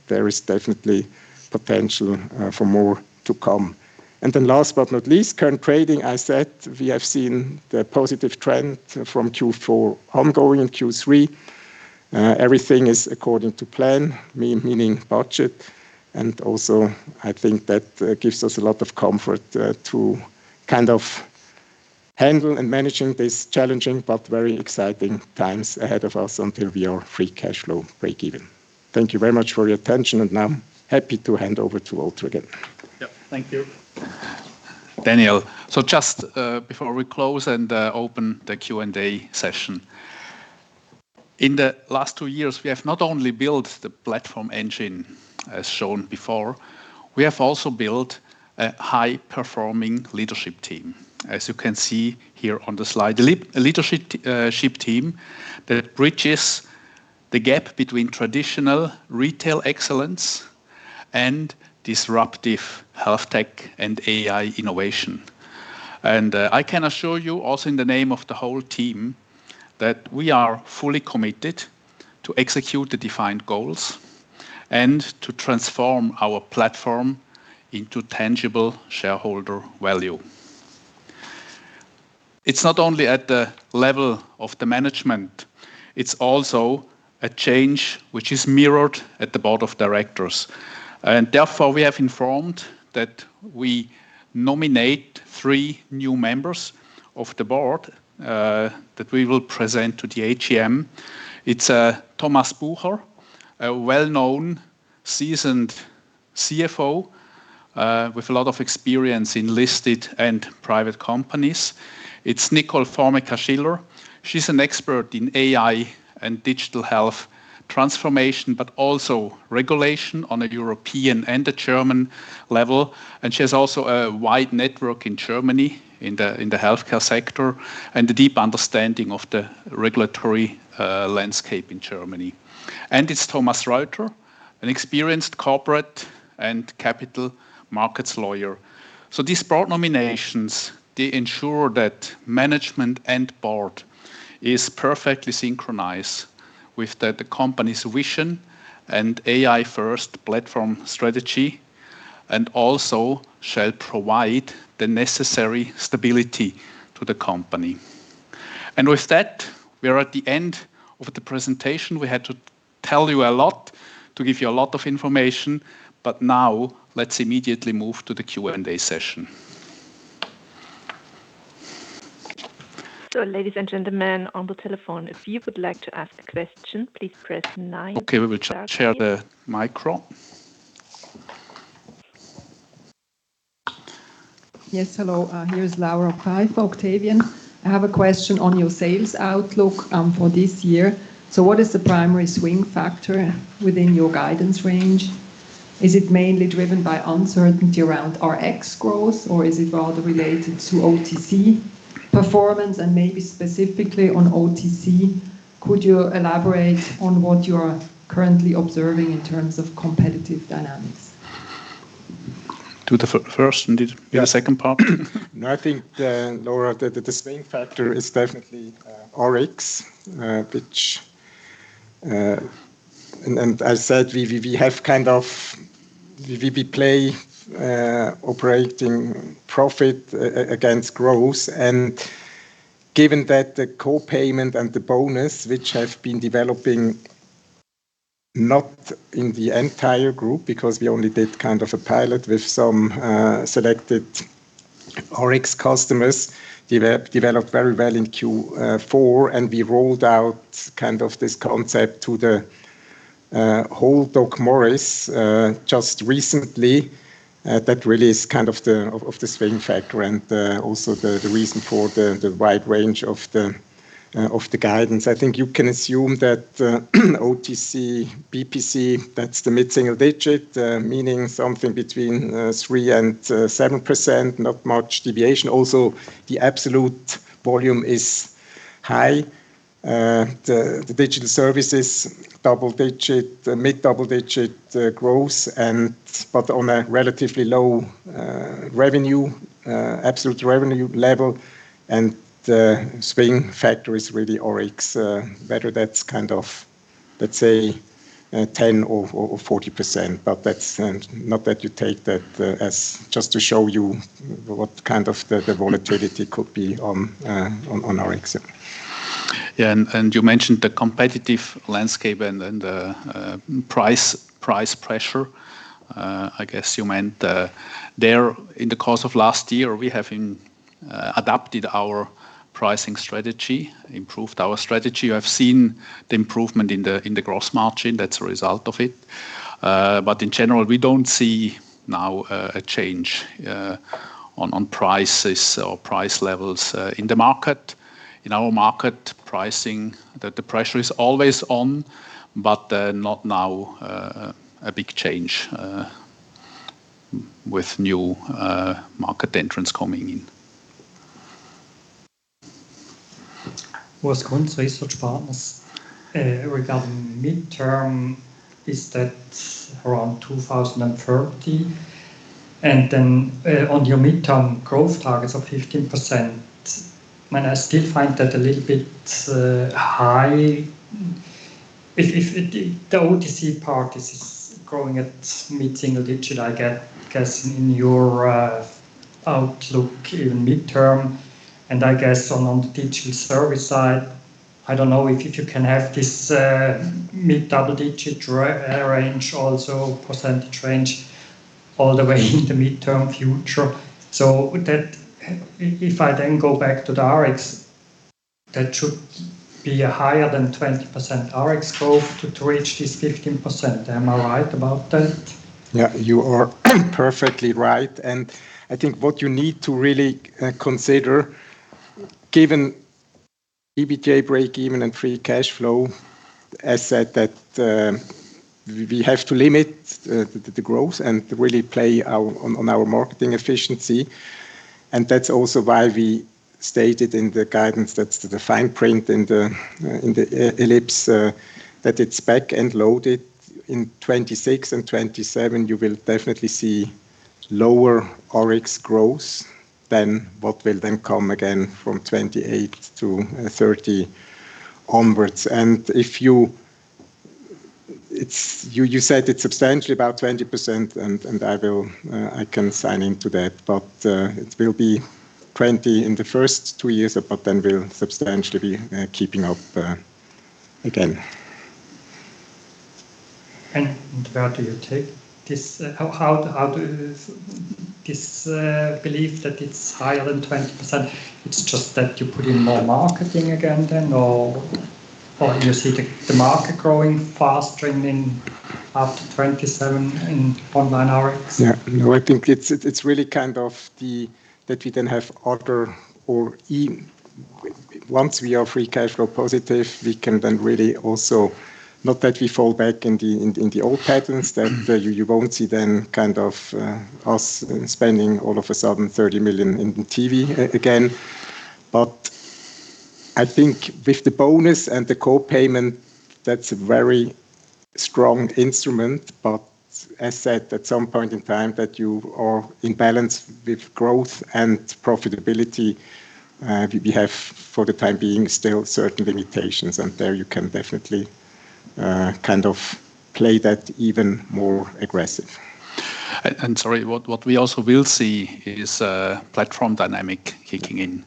There is definitely potential for more to come. Then last but not least, current trading. I said we have seen the positive trend from Q3 ongoing in Q4. Everything is according to plan, meaning budget. Also I think that gives us a lot of comfort to kind of handle and managing this challenging but very exciting times ahead of us until we are free cash flow break even. Thank you very much for your attention. Now happy to hand over to Walter again. Thank you, Daniel Wüest. Just before we close and open the Q&A session. In the last two years, we have not only built the platform engine, as shown before, we have also built a high-performing leadership team. As you can see here on the slide, a leadership team that bridges the gap between traditional retail excellence and disruptive health tech and AI innovation. I can assure you also in the name of the whole team that we are fully committed to execute the defined goals and to transform our platform into tangible shareholder value. It's not only at the level of the management, it's also a change which is mirrored at the board of directors. Therefore, we have informed that we nominate three new members of the board that we will present to the AGM. It's Thomas Bucher, a well-known seasoned CFO with a lot of experience in listed and private companies. It's Nicole Formica-Schiller. She's an expert in AI and digital health transformation, but also regulation on a European and a German level. She has also a wide network in Germany in the healthcare sector, and a deep understanding of the regulatory landscape in Germany. It's Thomas Reutter, an experienced corporate and capital markets lawyer. These board nominations, they ensure that management and board is perfectly synchronized with the company's vision and AI-first platform strategy, and also shall provide the necessary stability to the company. With that, we are at the end of the presentation. We had to tell you a lot to give you a lot of information, but now let's immediately move to the Q&A session. Ladies and gentlemen on the telephone, if you would like to ask a question, please press nine. Okay. We will share the mic. Yes. Hello. Here is Laura Pfeifer, Octavian. I have a question on your sales outlook for this year. What is the primary swing factor within your guidance range? Is it mainly driven by uncertainty around Rx growth, or is it rather related to OTC performance? Maybe specifically on OTC, could you elaborate on what you are currently observing in terms of competitive dynamics? To the first and the, yeah, second part. No, I think, Laura, the main factor is definitely Rx. I said we have kind of played operating profit against growth and given that the co-payment and the bonus, which have been developing not in the entire group, because we only did kind of a pilot with some selected Rx customers, developed very well in Q4, and we rolled out kind of this concept to the whole DocMorris just recently. That really is kind of the swing factor and also the reason for the wide range of the guidance. I think you can assume that OTC, BPC, that's the mid-single digit, meaning something between 3% and 7%, not much deviation. Also, the absolute volume is high. The digital services double-digit, the mid-double-digit growth, but on a relatively low absolute revenue level, and the swing factor is really Rx. But that's kind of, let's say, 10 or 40%, but that's not that you take that as just to show you what kind of the volatility could be on Rx. Yeah, you mentioned the competitive landscape and price pressure. I guess you meant there in the course of last year we have been adapted our pricing strategy, improved our strategy. I've seen the improvement in the gross margin that's a result of it. In general, we don't see now a change on prices or price levels in the market. In our market pricing the pressure is always on, but not now a big change with new market entrants coming in. Research Partners. Regarding mid-term, is that around 2030? Then, on your mid-term growth targets of 15%, I mean, I still find that a little bit high. If the OTC part is growing at mid-single digit, I guess in your outlook in mid-term, and I guess on the digital service side, I don't know if you can have this mid-double digit range also, percentage range, all the way into mid-term future. That if I then go back to the Rx, that should be higher than 20% Rx growth to reach this 15%. Am I right about that? Yeah, you are perfectly right, and I think what you need to really consider, given EBITDA breakeven and free cash flow, as said that, we have to limit the growth and really play on our marketing efficiency. That's also why we stated in the guidance, that's the fine print in the release, that it's back-end loaded. In 2026 and 2027 you will definitely see lower Rx growth than what will then come again from 2028 to 2030 onwards. You said it's substantially about 20%, and I can sign on to that. It will be 20% in the first two years, but then we'll substantially be keeping up again. Where do you take this? How do this belief that it's higher than 20%? It's just that you put in more marketing again then or you see the market growing faster in after 2027 in online Rx? No, I think it's really kind of the that we then have once we are free cash flow positive, we can then really also not that we fall back in the old patterns that you won't see then kind of us spending all of a sudden 30 million in TV again. I think with the bonus and the co-payment, that's a very strong instrument. As said, at some point in time that you are in balance with growth and profitability, we have for the time being still certain limitations, and there you can definitely kind of play that even more aggressive. Sorry, what we also will see is platform dynamic kicking in.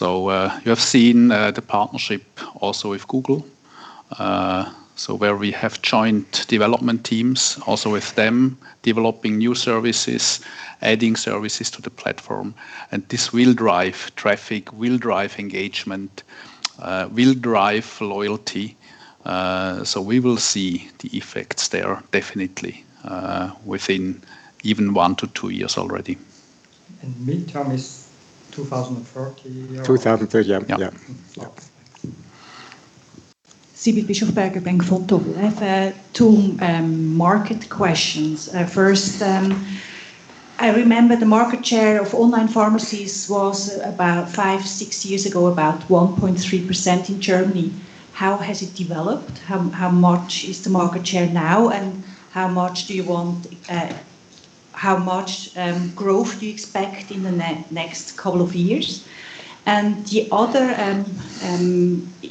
You have seen the partnership also with Google. Where we have joint development teams also with them, developing new services, adding services to the platform. This will drive traffic, will drive engagement, will drive loyalty. We will see the effects there definitely within even one to two years already. Midterm is 2030 or? 2030, yeah. Yeah. Yeah. Sibylle Bischofberger, Bank Vontobel. I've two market questions. First, I remember the market share of online pharmacies was about five to six years ago, about 1.3% in Germany. How has it developed? How much is the market share now, and how much growth do you expect in the next couple of years? The other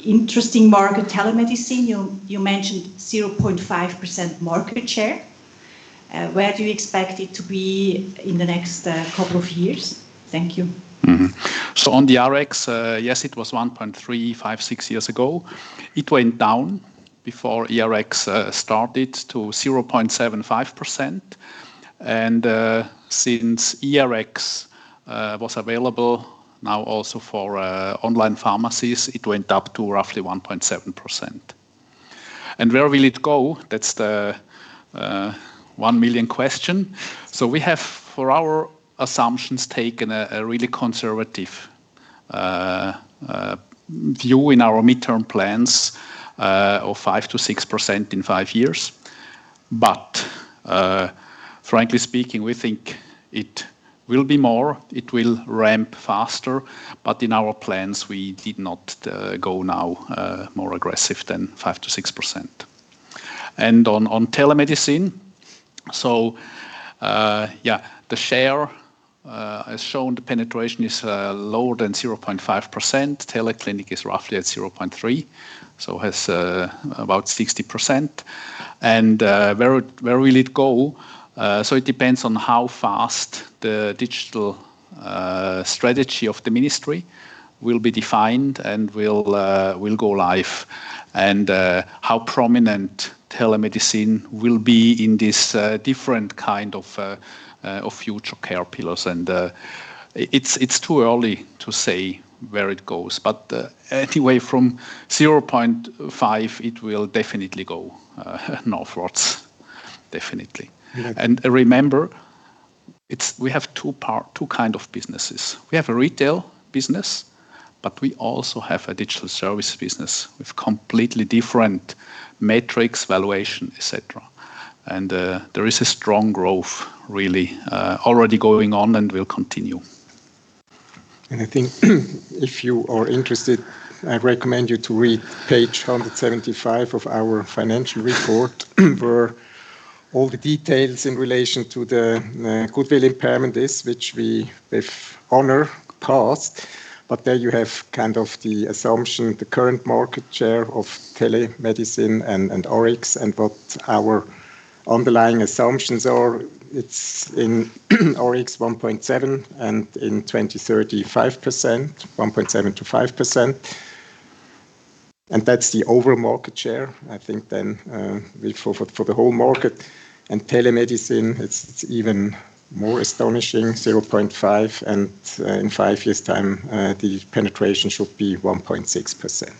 interesting market, telemedicine, you mentioned 0.5% market share. Where do you expect it to be in the next couple of years? Thank you. On the Rx, yes, it was 1.35% six years ago. It went down before eRx started to 0.75%. Since eRx was available now also for online pharmacies, it went up to roughly 1.7%. Where will it go? That's the one million question. We have for our assumptions taken a really conservative view in our midterm plans of 5%-6% in five years. Frankly speaking, we think it will be more, it will ramp faster, but in our plans, we did not go now more aggressive than 5%-6%. On telemedicine, the share has shown the penetration is lower than 0.5%. TeleClinic is roughly at 0.3, so has about 60%. Where will it go? It depends on how fast the digital strategy of the ministry will be defined and will go live and how prominent telemedicine will be in this different kind of future care pillars. It's too early to say where it goes, but anyway, from 0.5 it will definitely go northwards. Definitely. Yeah. Remember, we have two kind of businesses. We have a retail business, but we also have a digital service business with completely different metrics, valuation, et cetera. There is a strong growth really already going on and will continue. I think if you are interested, I recommend you to read page 175 of our financial report where all the details in relation to the goodwill impairment is which we with honor passed. But there you have kind of the assumption, the current market share of telemedicine and Rx and what our underlying assumptions are. It's in Rx 1.7% and in 2030, 5%, 1.7%-5%, and that's the overall market share. I think then, for the whole market and telemedicine it's even more astonishing, 0.5 and, in five years time, the penetration should be 1.6%.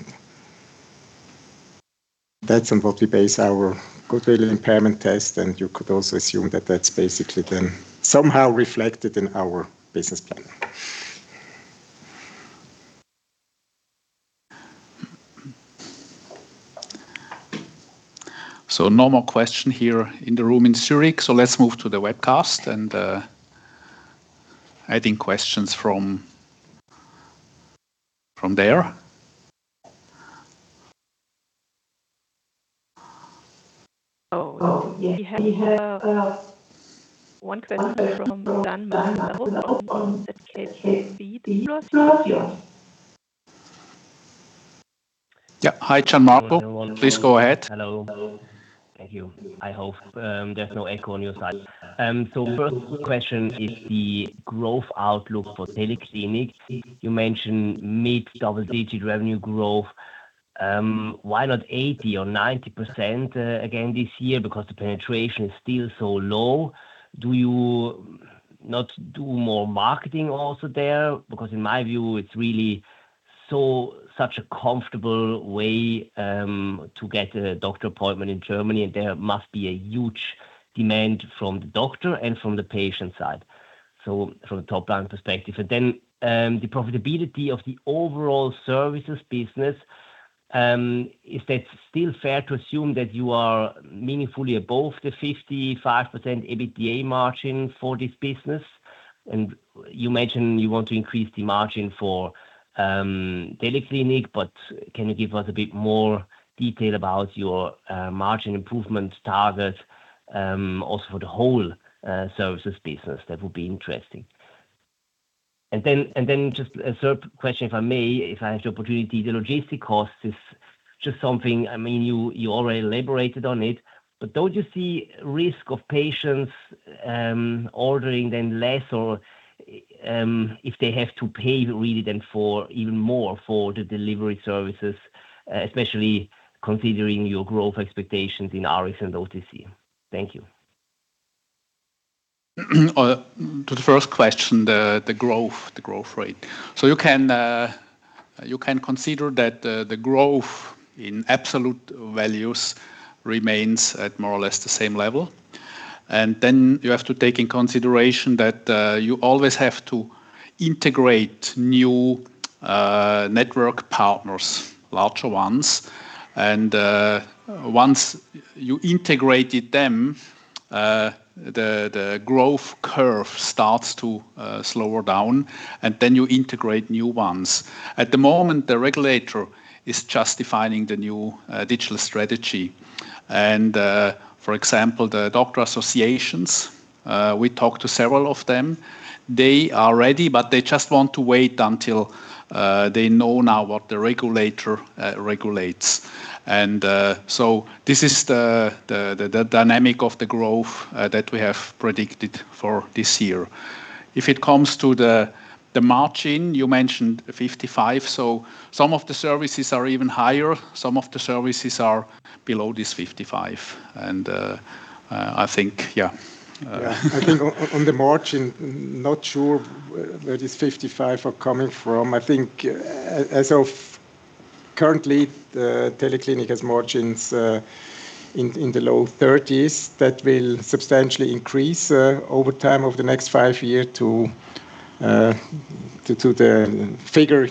That's on what we base our goodwill impairment test. You could also assume that that's basically then somehow reflected in our business plan. No more questions here in the room in Zurich. Let's move to the webcast and taking questions from there. Oh, yeah. We have one question from Gian Marco Werro from ZKB. Yeah. Hi, Gian Marco. Please go ahead. Hello. Thank you. I hope there's no echo on your side. First question is the growth outlook for TeleClinic. You mentioned mid-double-digit revenue growth. Why not 80% or 90% again this year because the penetration is still so low? Do you not do more marketing also there? Because in my view it's really such a comfortable way to get a doctor appointment in Germany, and there must be a huge demand from the doctor and from the patient side. From a top-down perspective. The profitability of the overall services business, is that still fair to assume that you are meaningfully above the 55% EBITDA margin for this business? You mentioned you want to increase the margin for TeleClinic, but can you give us a bit more detail about your margin improvement target, also for the whole services business? That would be interesting. Just a third question if I may, if I have the opportunity, the logistics cost is just something, I mean you already elaborated on it, but don't you see risk of patients ordering then less or, if they have to pay really then for even more for the delivery services, especially considering your growth expectations in Rx and OTC. Thank you. To the first question, the growth rate. You can consider that the growth in absolute values remains at more or less the same level. Then you have to take in consideration that you always have to integrate new network partners, larger ones. Once you integrated them, the growth curve starts to slow down and then you integrate new ones. At the moment, the regulator is just defining the new digital strategy and, for example, the doctor associations. We talked to several of them. They are ready, but they just want to wait until they know now what the regulator regulates. This is the dynamic of the growth that we have predicted for this year. If it comes to the margin, you mentioned 55%. Some of the services are even higher, some of the services are below this 55. I think, yeah. I think on the margin, not sure where this 55 are coming from. I think as of currently, the TeleClinic has margins in the low 30s that will substantially increase over the next five years to the figure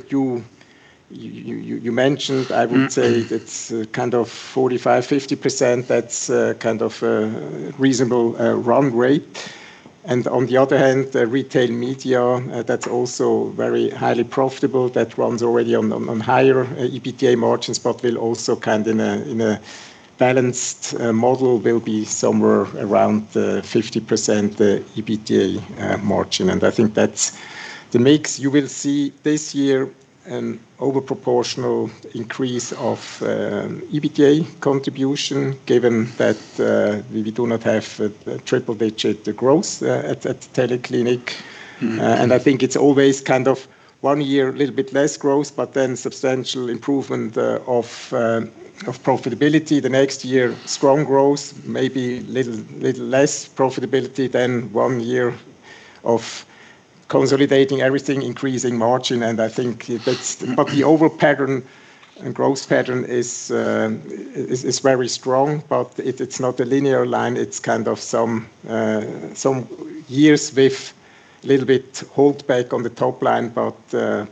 you mentioned. I would say it's kind of 45-50%. That's kind of a reasonable run rate. On the other hand, the retail media, that's also very highly profitable, that runs already on higher EBITDA margins, but will also in a balanced model be somewhere around the 50% EBITDA margin. I think that's the mix. You will see this year an overproportional increase of EBITDA contribution given that we do not have the triple-digit growth at TeleClinic. Mm-hmm. I think it's always kind of one year a little bit less growth, but then substantial improvement of profitability. The next year, strong growth, maybe little less profitability than one year of consolidating everything, increasing margin. I think that's. The overall pattern and growth pattern is very strong. It's not a linear line, it's kind of some years with little bit hold back on the top line, but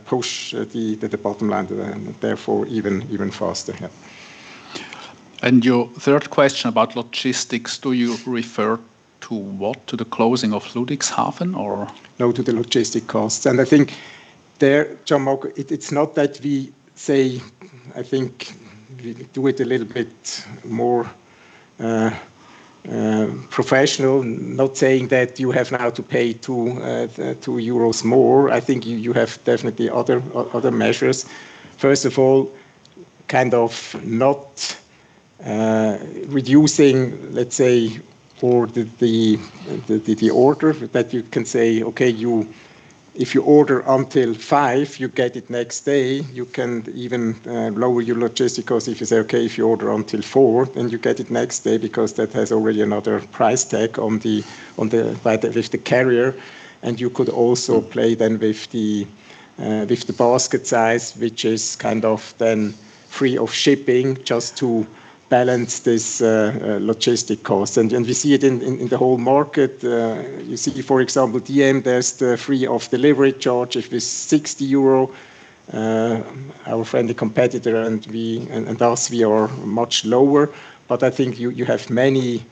push the bottom line and therefore even faster. Your third question about logistics, do you refer to what? To the closing of Ludwigshafen or? No, to the logistic costs. I think there, Jean-Marc, it's not that we say. I think we do it a little bit more professional, not saying that you have now to pay 2 euros more. I think you have definitely other measures. First of all, kind of not reducing, let's say, for the order that you can say, "Okay, if you order until five, you get it next day." You can even lower your logistic costs if you say, "Okay, if you order until four, then you get it next day," because that has already another price tag on the with the carrier. You could also play then with the basket size, which is kind of then free of shipping, just to balance this logistic cost. We see it in the whole market. You see, for example, dm-drogerie markt, there's free delivery if it's 60 euro, our friendly competitor, and thus we are much lower. I think you have many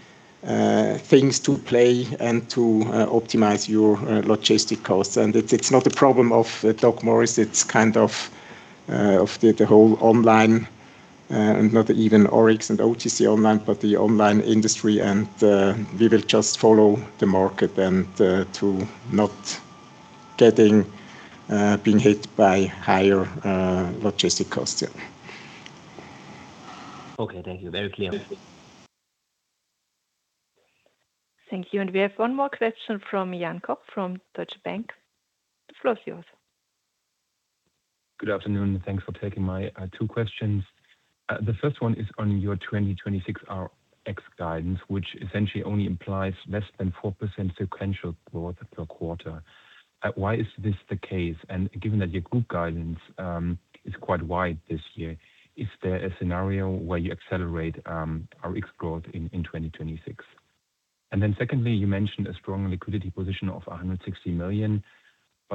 things to play and to optimize your logistics costs. It's not a problem of DocMorris, it's kind of of the whole online, and not even Rx and OTC online, but the online industry. We will just follow the market then to avoid being hit by higher logistics costs. Okay. Thank you. Very clear. Thank you. We have one more question from Jan Koch from Deutsche Bank. The floor is yours. Good afternoon, and thanks for taking my two questions. The first one is on your 2026 RX guidance, which essentially only implies less than 4% sequential growth per quarter. Why is this the case? Given that your group guidance is quite wide this year, is there a scenario where you accelerate RX growth in 2026? Then secondly, you mentioned a strong liquidity position of 160 million.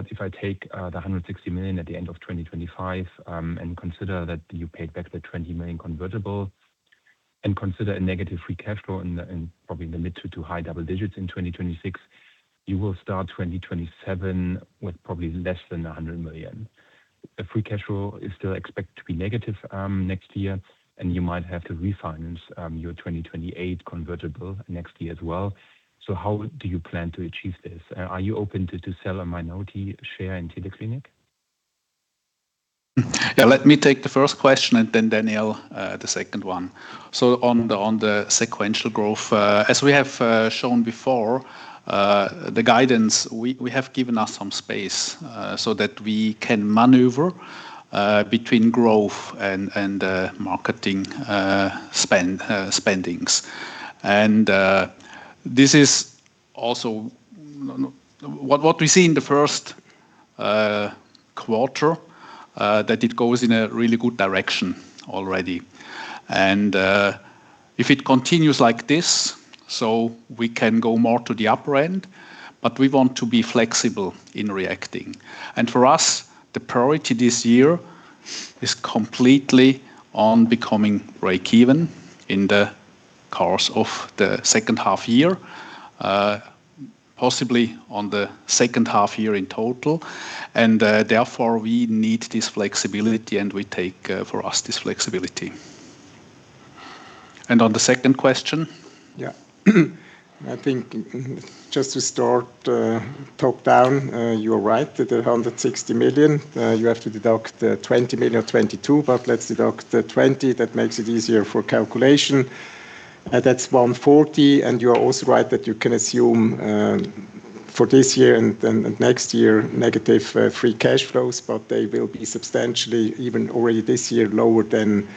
If I take the 160 million at the end of 2025, and consider that you paid back the 20 million convertible and consider a negative free cash flow in probably the mid to high double digits in 2026, you will start 2027 with probably less than 100 million. The free cash flow is still expected to be negative next year, and you might have to refinance your 2028 convertible next year as well. How do you plan to achieve this? Are you open to sell a minority share in TeleClinic? Yeah. Let me take the first question and then Daniel, the second one. On the sequential growth, as we have shown before, the guidance we have given us some space, so that we can maneuver between growth and marketing spendings. This is also what we see in the first quarter, that it goes in a really good direction already. If it continues like this, so we can go more to the upper end, but we want to be flexible in reacting. For us, the priority this year is completely on becoming breakeven in the course of the second half year, possibly on the second half year in total. Therefore, we need this flexibility, and we take for us this flexibility. On the second question? Yeah. I think just to start, top down, you are right that the 160 million, you have to deduct the 20 million or 22 million, but let's deduct the 20. That makes it easier for calculation. That's 140. You are also right that you can assume for this year and then next year negative free cash flows, but they will be substantially even already this year lower than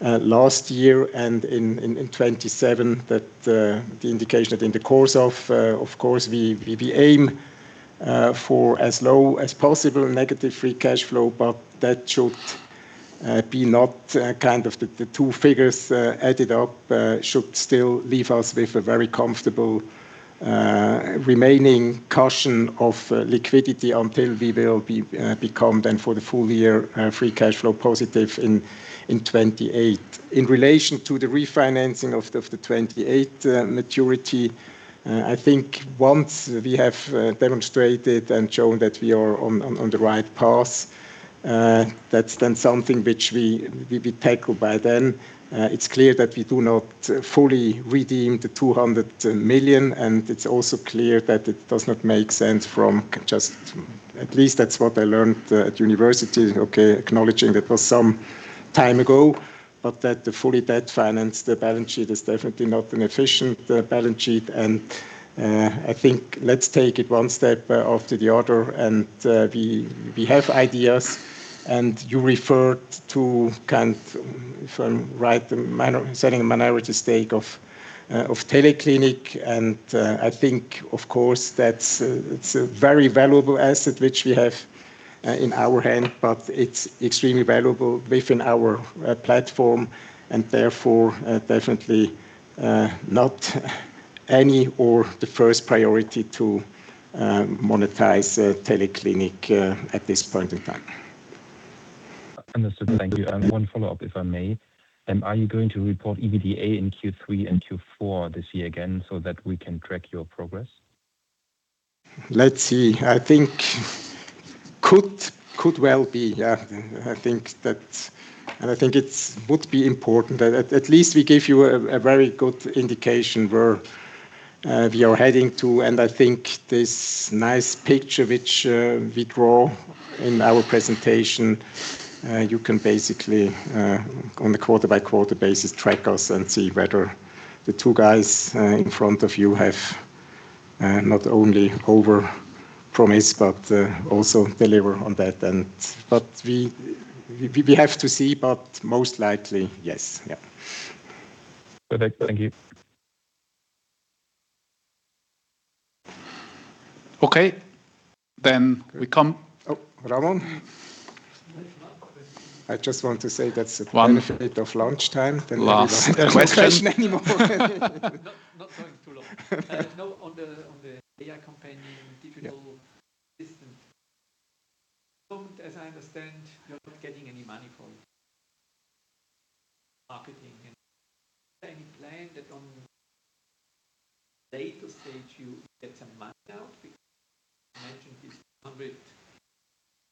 last year and in 2027 the indication that in the course of course we aim for as low as possible negative free cash flow, but that should be not kind of the two figures added up should still leave us with a very comfortable remaining cushion of liquidity until we will become then for the full year free cash flow positive in 2028. In relation to the refinancing of the 2028 maturity, I think once we have demonstrated and shown that we are on the right path, that's then something which we tackle by then. It's clear that we do not fully redeem the 200 million, and it's also clear that it does not make sense. At least that's what I learned at university. Okay, acknowledging that was some time ago, but that the fully debt-financed balance sheet is definitely not an efficient balance sheet. I think let's take it one step after the other, and we have ideas. You referred to, if I'm right, selling a minority stake of TeleClinic. I think, of course, it's a very valuable asset which we have in our hand, but it's extremely valuable within our platform and therefore definitely not the first priority to monetize TeleClinic at this point in time. Understood. Thank you. One follow-up, if I may. Are you going to report EBITDA in Q3 and Q4 this year again so that we can track your progress? Let's see. I think it could well be. Yeah. I think that it would be important. At least we give you a very good indication where we are heading to. I think this nice picture which we draw in our presentation you can basically on the quarter-by-quarter basis track us and see whether the two guys in front of you have not only overpromised, but also deliver on that. But we have to see, but most likely yes. Yeah. Perfect. Thank you. Okay. Oh, Ramon. I just want to say that's the benefit of lunchtime. Last question. Not going to look. No. On the AI companion digital assistant. As I understand, you're not getting any money for it. Marketing and any plan that on later stage you get some money out, because you mentioned these 100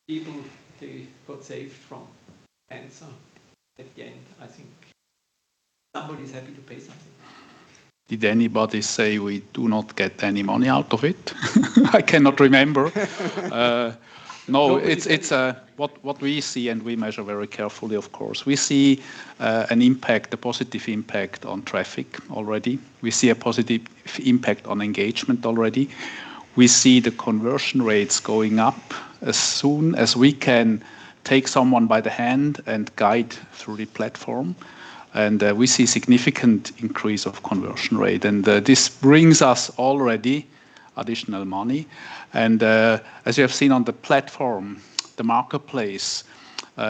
people they got saved from cancer. At the end, I think somebody is happy to pay something. Did anybody say we do not get any money out of it? I cannot remember. No, it's... What we see and we measure very carefully, of course, we see an impact, a positive impact on traffic already. We see a positive impact on engagement already. We see the conversion rates going up as soon as we can take someone by the hand and guide through the platform. We see significant increase of conversion rate. This brings us already additional money. As you have seen on the platform, the marketplace,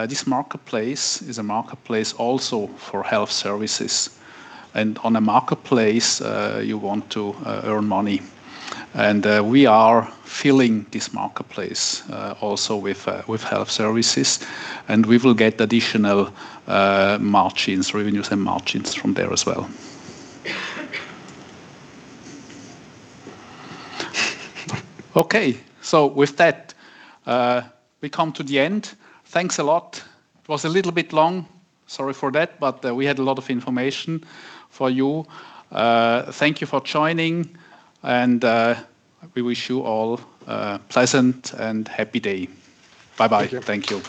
this marketplace is a marketplace also for health services. On a marketplace, you want to earn money. We are filling this marketplace also with health services, and we will get additional margins, revenues and margins from there as well. Okay. With that, we come to the end. Thanks a lot. It was a little bit long. Sorry for that, but we had a lot of information for you. Thank you for joining, and we wish you all a pleasant and happy day. Bye-bye. Thank you. Thank you.